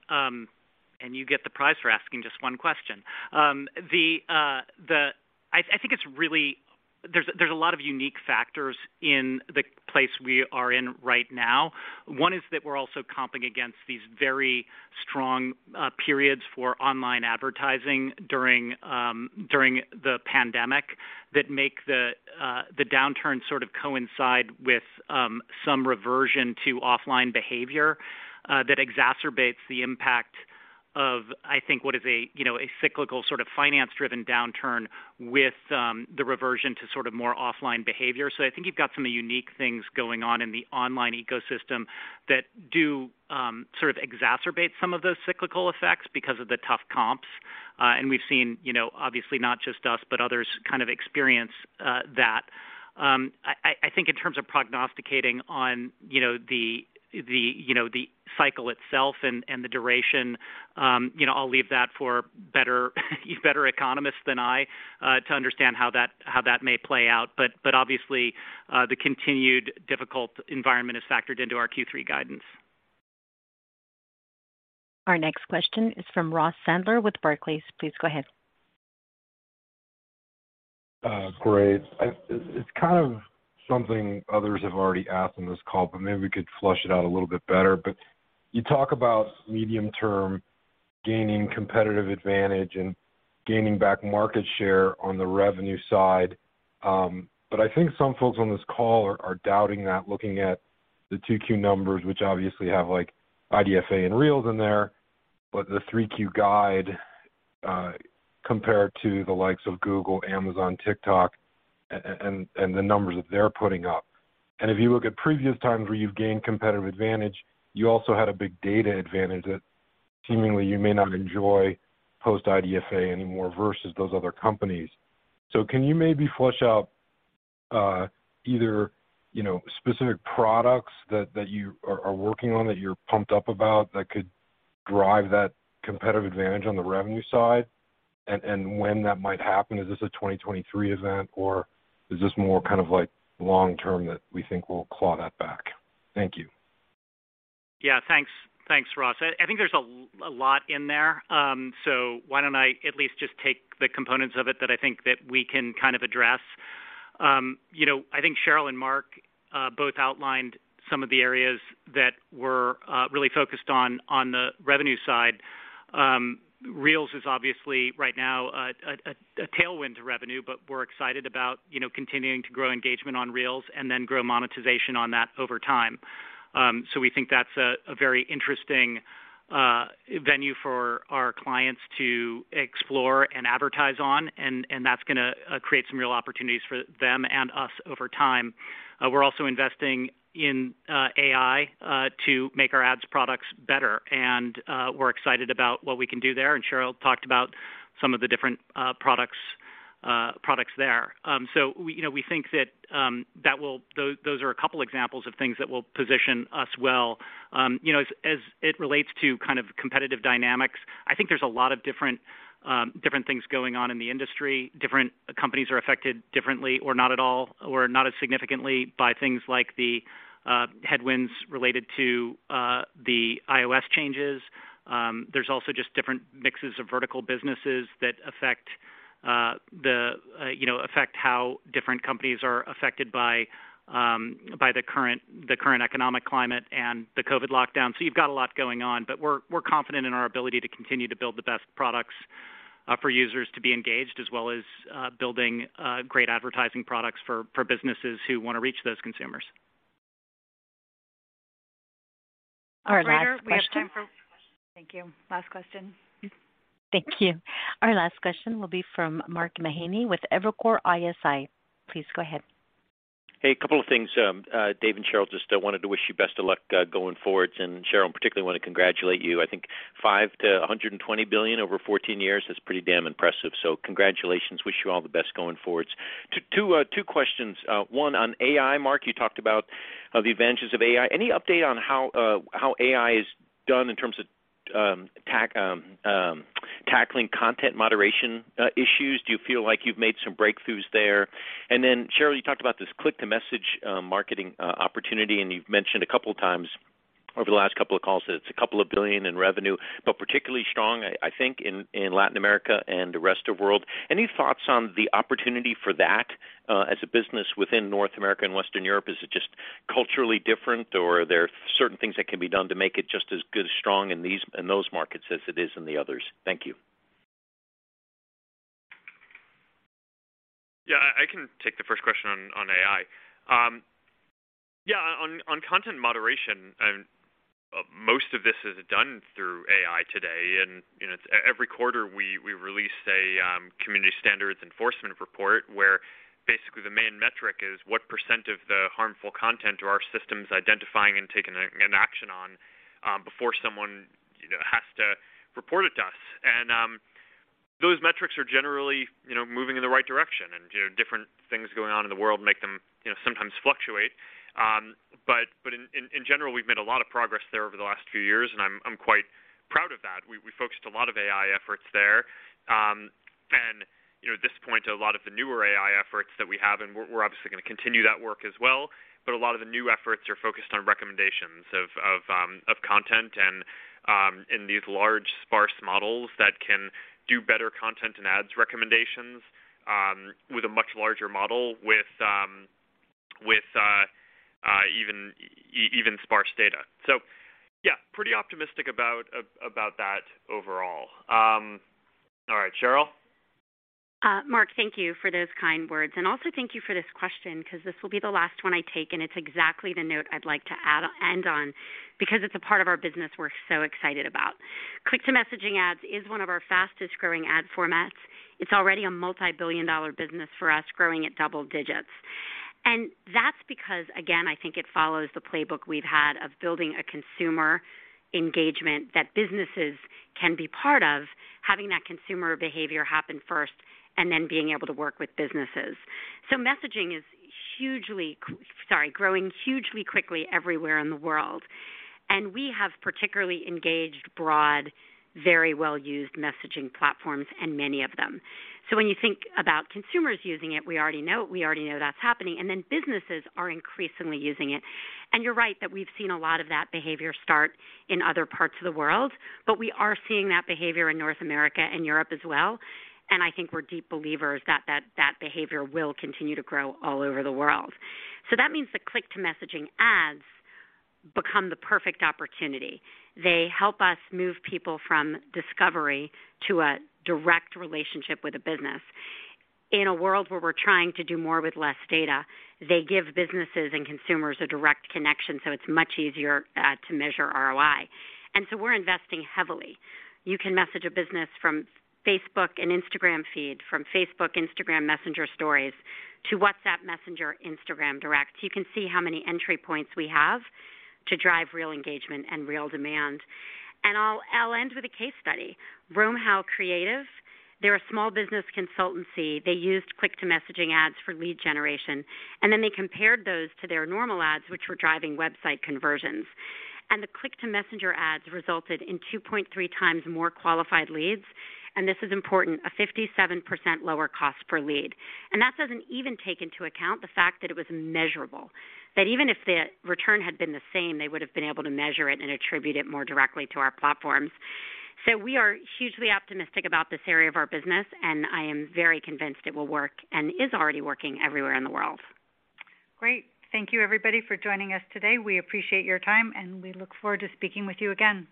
Speaker 5: You get the prize for asking just one question. I think it's really. There's a lot of unique factors in the place we are in right now. One is that we're also comping against these very strong periods for online advertising during the pandemic that make the downturn sort of coincide with some reversion to offline behavior that exacerbates the impact of, I think, what is a, you know, a cyclical sort of finance-driven downturn with the reversion to sort of more offline behavior. I think you've got some unique things going on in the online ecosystem that do sort of exacerbate some of those cyclical effects because of the tough comps, and we've seen, you know, obviously not just us, but others kind of experience that. I think in terms of prognosticating on, you know, the cycle itself and the duration, you know, I'll leave that for better economists than I to understand how that may play out. Obviously, the continued difficult environment is factored into our Q3 guidance.
Speaker 1: Our next question is from Ross Sandler with Barclays. Please go ahead.
Speaker 14: It's kind of something others have already asked on this call, but maybe we could flesh it out a little bit better. You talk about medium-term gaining competitive advantage and gaining back market share on the revenue side. I think some folks on this call are doubting that looking at the 2Q numbers, which obviously have like IDFA and Reels in there, but the 3Q guide compared to the likes of Google, Amazon, TikTok and the numbers that they're putting up. If you look at previous times where you've gained competitive advantage, you also had a big data advantage that seemingly you may not enjoy post IDFA anymore versus those other companies. Can you maybe flesh out, either, you know, specific products that you are working on, that you're pumped up about that could drive that competitive advantage on the revenue side and when that might happen? Is this a 2023 event, or is this more kind of like long-term that we think we'll claw that back? Thank you.
Speaker 5: Yeah, thanks. Thanks, Ross. I think there's a lot in there, so why don't I at least just take the components of it that I think that we can kind of address. You know, I think Sheryl and Mark both outlined some of the areas that we're really focused on the revenue side. Reels is obviously right now a tailwind to revenue, but we're excited about, you know, continuing to grow engagement on Reels and then grow monetization on that over time. We think that's a very interesting venue for our clients to explore and advertise on and that's gonna create some real opportunities for them and us over time. We're also investing in AI to make our ads products better and we're excited about what we can do there, and Sheryl talked about some of the different products there. We, you know, we think that those are a couple examples of things that will position us well. You know, as it relates to kind of competitive dynamics, I think there's a lot of different things going on in the industry. Different companies are affected differently or not at all or not as significantly by things like the headwinds related to the iOS changes. There's also just different mixes of vertical businesses that affect you know how different companies are affected by the current economic climate and the COVID lockdown. You've got a lot going on, but we're confident in our ability to continue to build the best products for users to be engaged as well as building great advertising products for businesses who wanna reach those consumers.
Speaker 2: Operator, we have time for.
Speaker 1: Last question.
Speaker 2: Thank you. Last question.
Speaker 1: Thank you. Our last question will be from Mark Mahaney with Evercore ISI. Please go ahead.
Speaker 15: Hey, a couple of things. Dave and Sheryl, just wanted to wish you best of luck going forward, and Sheryl, in particular, wanna congratulate you. I think $5 billion-$120 billion over 14 years is pretty damn impressive. Congratulations. Wish you all the best going forward. Two questions, one on AI. Mark, you talked about the advantages of AI. Any update on how AI has done in terms of tackling content moderation issues? Do you feel like you've made some breakthroughs there? Then, Sheryl, you talked about this Click-to-Message marketing opportunity, and you've mentioned a couple times over the last couple of calls that it's a couple of billion in revenue, but particularly strong, I think, in Latin America and the rest of the world. Any thoughts on the opportunity for that as a business within North America and Western Europe? Is it just culturally different, or are there certain things that can be done to make it just as good as strong in those markets as it is in the others? Thank you.
Speaker 3: Yeah, I can take the first question on AI. Yeah, on content moderation and most of this is done through AI today, and you know, it's every quarter we release a community standards enforcement report where basically the main metric is what % of the harmful content are our systems identifying and taking an action on before someone you know has to report it to us. Those metrics are generally you know moving in the right direction and you know different things going on in the world make them you know sometimes fluctuate. In general, we've made a lot of progress there over the last few years, and I'm quite proud of that. We focused a lot of AI efforts there, and you know, at this point, a lot of the newer AI efforts that we have, and we're obviously gonna continue that work as well, but a lot of the new efforts are focused on recommendations of content and in these large sparse models that can do better content and ads recommendations, with a much larger model with even sparse data. Yeah, pretty optimistic about that overall. All right. Sheryl?
Speaker 4: Mark, thank you for those kind words, and also thank you for this question 'cause this will be the last one I take, and it's exactly the note I'd like to add end on because it's a part of our business we're so excited about. Click-to-Messaging ads is one of our fastest-growing ad formats. It's already a multi-billion-dollar business for us, growing at double digits. That's because, again, I think it follows the playbook we've had of building a consumer engagement that businesses can be part of, having that consumer behavior happen first, and then being able to work with businesses. Messaging is growing hugely quickly everywhere in the world, and we have particularly engaged broad, very well-used messaging platforms and many of them. When you think about consumers using it, we already know that's happening, and then businesses are increasingly using it. You're right that we've seen a lot of that behavior start in other parts of the world, but we are seeing that behavior in North America and Europe as well, and I think we're deep believers that that behavior will continue to grow all over the world. That means the Click-to-Messaging ads become the perfect opportunity. They help us move people from discovery to a direct relationship with a business. In a world where we're trying to do more with less data, they give businesses and consumers a direct connection, so it's much easier to measure ROI. We're investing heavily. You can message a business from Facebook and Instagram Feed, from Facebook, Instagram, Messenger Stories, to WhatsApp Messenger, Instagram Direct. You can see how many entry points we have to drive real engagement and real demand. I'll end with a case study. RoamHowl Creative, they're a small business consultancy. They used Click-to-Messaging ads for lead generation, and then they compared those to their normal ads, which were driving website conversions. The Click-to-Messenger ads resulted in 2.3 times more qualified leads, and this is important, a 57% lower cost per lead. That doesn't even take into account the fact that it was measurable, that even if the return had been the same, they would've been able to measure it and attribute it more directly to our platforms. We are hugely optimistic about this area of our business, and I am very convinced it will work and is already working everywhere in the world.
Speaker 2: Great. Thank you everybody for joining us today. We appreciate your time, and we look forward to speaking with you again.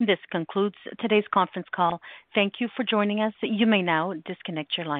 Speaker 1: This concludes today's conference call. Thank you for joining us. You may now disconnect your line.